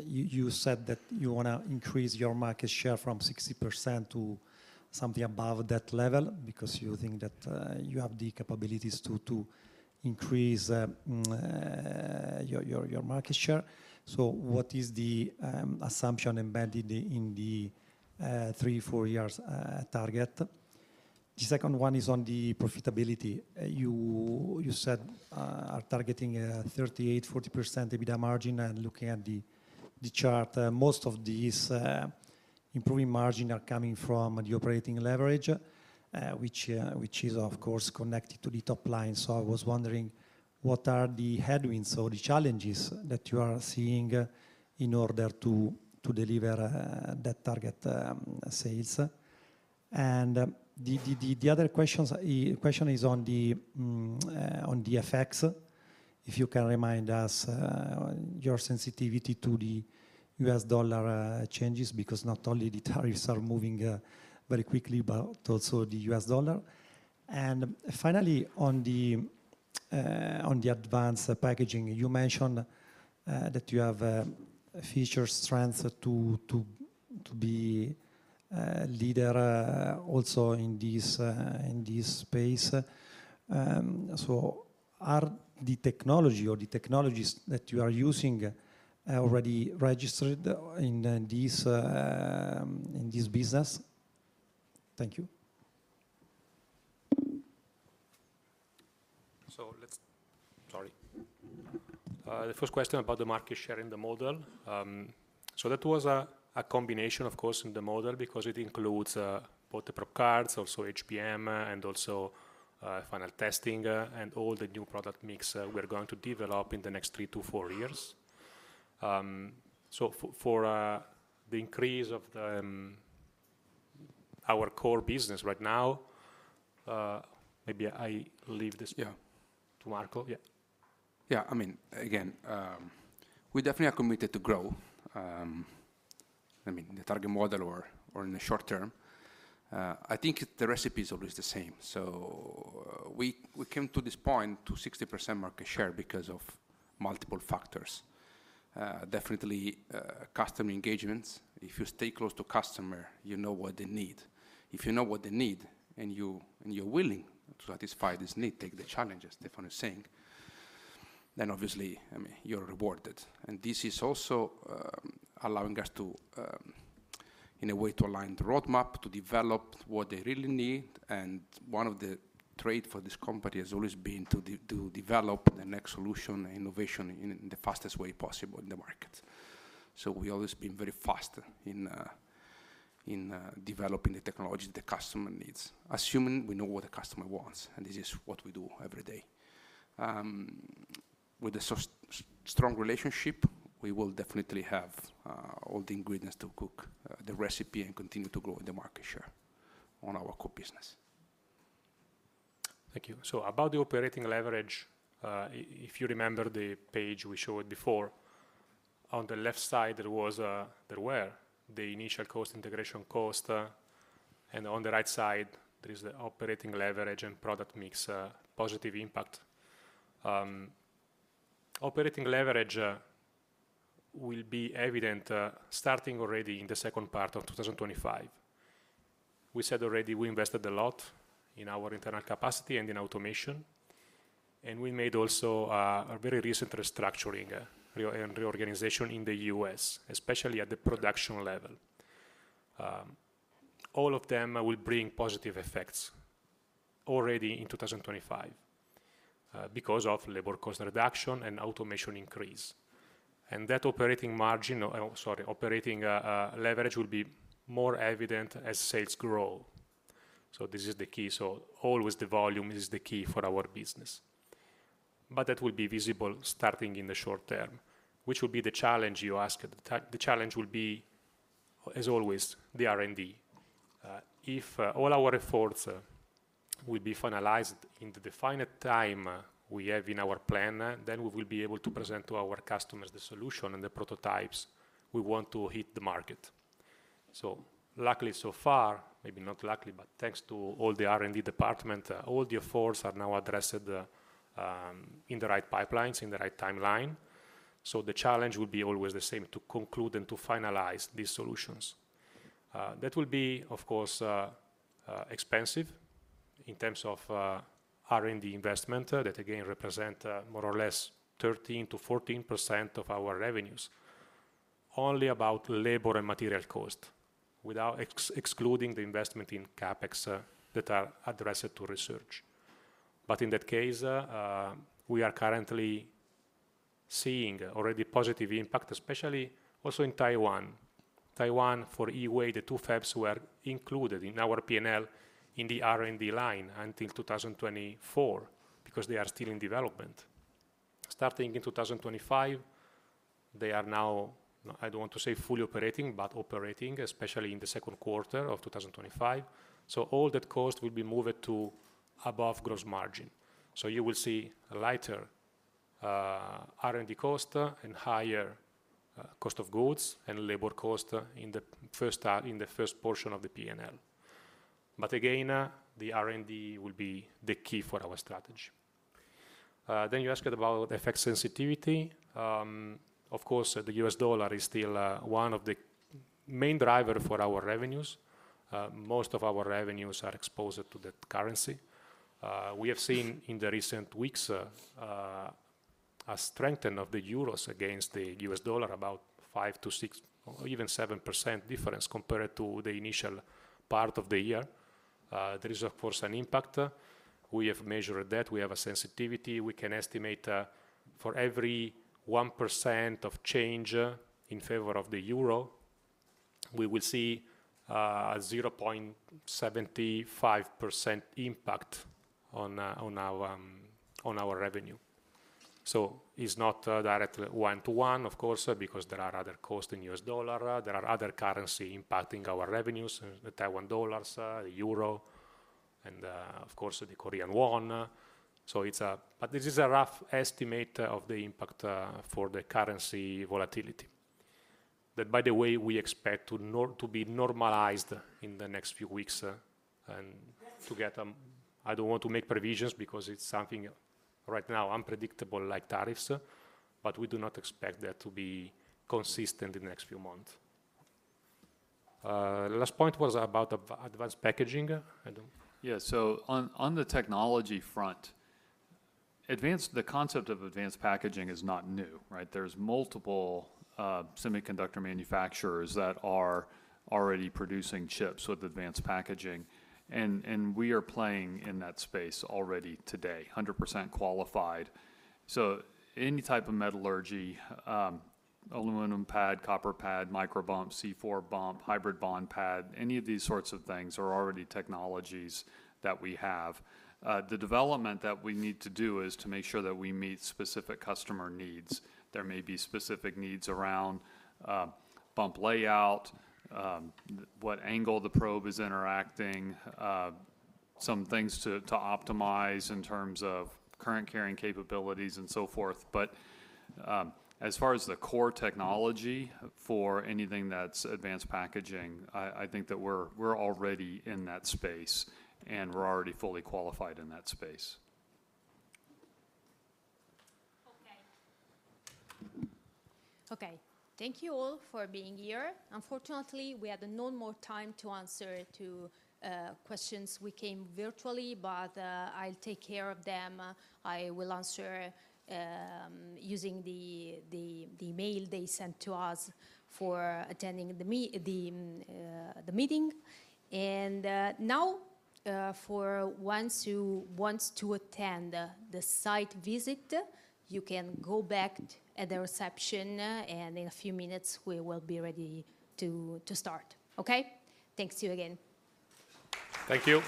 You said that you want to increase your market share from 60% to something above that level because you think that you have the capabilities to increase your market share. What is the assumption embedded in the three, four years target? The second one is on the profitability. You said you are targeting a 38%-40% EBITDA margin and looking at the chart, most of these improving margins are coming from the operating leverage, which is, of course, connected to the top line. I was wondering what are the headwinds or the challenges that you are seeing in order to deliver that target sales. The other question is on the effects, if you can remind us your sensitivity to the U.S. dollar changes because not only the tariffs are moving very quickly, but also the U.S. dollar. Finally, on the advanced packaging, you mentioned that you have a feature strength to be a leader also in this space. Are the technology or the technologies that you are using already registered in this business? Thank you. Sorry. The first question about the market share in the model. That was a combination, of course, in the model because it includes both the Probe Cards, also HBM, and also final testing and all the new product mix we're going to develop in the next three, two, four years. For the increase of our core business right now, maybe I leave this to Marco. Yeah. Yeah. I mean, again, we definitely are committed to grow. I mean, the target model or in the short term, I think the recipe is always the same. We came to this point to 60% market share because of multiple factors. Definitely customer engagement. If you stay close to the customer, you know what they need. If you know what they need and you're willing to satisfy this need, take the challenges, Stefano is saying, obviously, I mean, you're rewarded. This is also allowing us to, in a way, to align the roadmap to develop what they really need. One of the traits for this company has always been to develop the next solution and innovation in the fastest way possible in the market. We've always been very fast in developing the technologies the customer needs, assuming we know what the customer wants. This is what we do every day. With a strong relationship, we will definitely have all the ingredients to cook the recipe and continue to grow the market share on our core business. Thank you. About the operating leverage, if you remember the page we showed before, on the left side, there were the initial cost integration cost. On the right side, there is the operating leverage and product mix positive impact. Operating leverage will be evident starting already in the second part of 2025. We said already we invested a lot in our internal capacity and in automation. We made also a very recent restructuring and reorganization in the United States, especially at the production level. All of them will bring positive effects already in 2025 because of labor cost reduction and automation increase. That operating margin, sorry, operating leverage will be more evident as sales grow. This is the key. Always the volume is the key for our business. That will be visible starting in the short term, which will be the challenge you ask. The challenge will be, as always, the R&D. If all our efforts will be finalized in the defined time we have in our plan, then we will be able to present to our customers the solution and the prototypes we want to hit the market. Luckily so far, maybe not luckily, but thanks to all the R&D department, all the efforts are now addressed in the right pipelines, in the right timeline. The challenge will be always the same to conclude and to finalize these solutions. That will be, of course, expensive in terms of R&D investment that, again, represent more or less 13%-14% of our revenues, only about labor and material cost, without excluding the investment in CapEx that are addressed to research. In that case, we are currently seeing already positive impact, especially also in Taiwan. Taiwan, for E-wave, the two fabs were included in our P&L in the R&D line until 2024 because they are still in development. Starting in 2025, they are now, I do not want to say fully operating, but operating, especially in the second quarter of 2025. All that cost will be moved to above gross margin. You will see a lighter R&D cost and higher cost of goods and labor cost in the first portion of the P&L. Again, the R&D will be the key for our strategy. You asked about effect sensitivity. Of course, the U.S. dollar is still one of the main drivers for our revenues. Most of our revenues are exposed to that currency. We have seen in the recent weeks a strengthening of the euro against the U.S. dollar, about 5-6, or even 7% difference compared to the initial part of the year. There is, of course, an impact. We have measured that. We have a sensitivity. We can estimate for every 1% of change in favor of the euro, we will see a 0.75% impact on our revenue. It is not directly one to one, of course, because there are other costs in U.S. dollar. There are other currencies impacting our revenues, the Taiwan dollar, the euro, and of course, the Korean won. This is a rough estimate of the impact for the currency volatility that, by the way, we expect to be normalized in the next few weeks. I do not want to make provisions because it is something right now unpredictable like tariffs, but we do not expect that to be consistent in the next few months. The last point was about advanced packaging. Yeah. On the technology front, the concept of advanced packaging is not new, right? There are multiple semiconductor manufacturers that are already producing chips with advanced packaging. We are playing in that space already today, 100% qualified. Any type of metallurgy, aluminum pad, copper pad, micro bump, C4 bump, hybrid bond pad, any of these sorts of things are already technologies that we have. The development that we need to do is to make sure that we meet specific customer needs. There may be specific needs around bump layout, what angle the probe is interacting, some things to optimize in terms of current carrying capabilities and so forth. As far as the core technology for anything that's advanced packaging, I think that we're already in that space and we're already fully qualified in that space. Okay. Thank you all for being here. Unfortunately, we had no more time to answer questions. We came virtually, but I'll take care of them. I will answer using the mail they sent to us for attending the meeting. Now, for once you want to attend the site visit, you can go back at the reception, and in a few minutes, we will be ready to start. Okay? Thanks to you again. Thank you.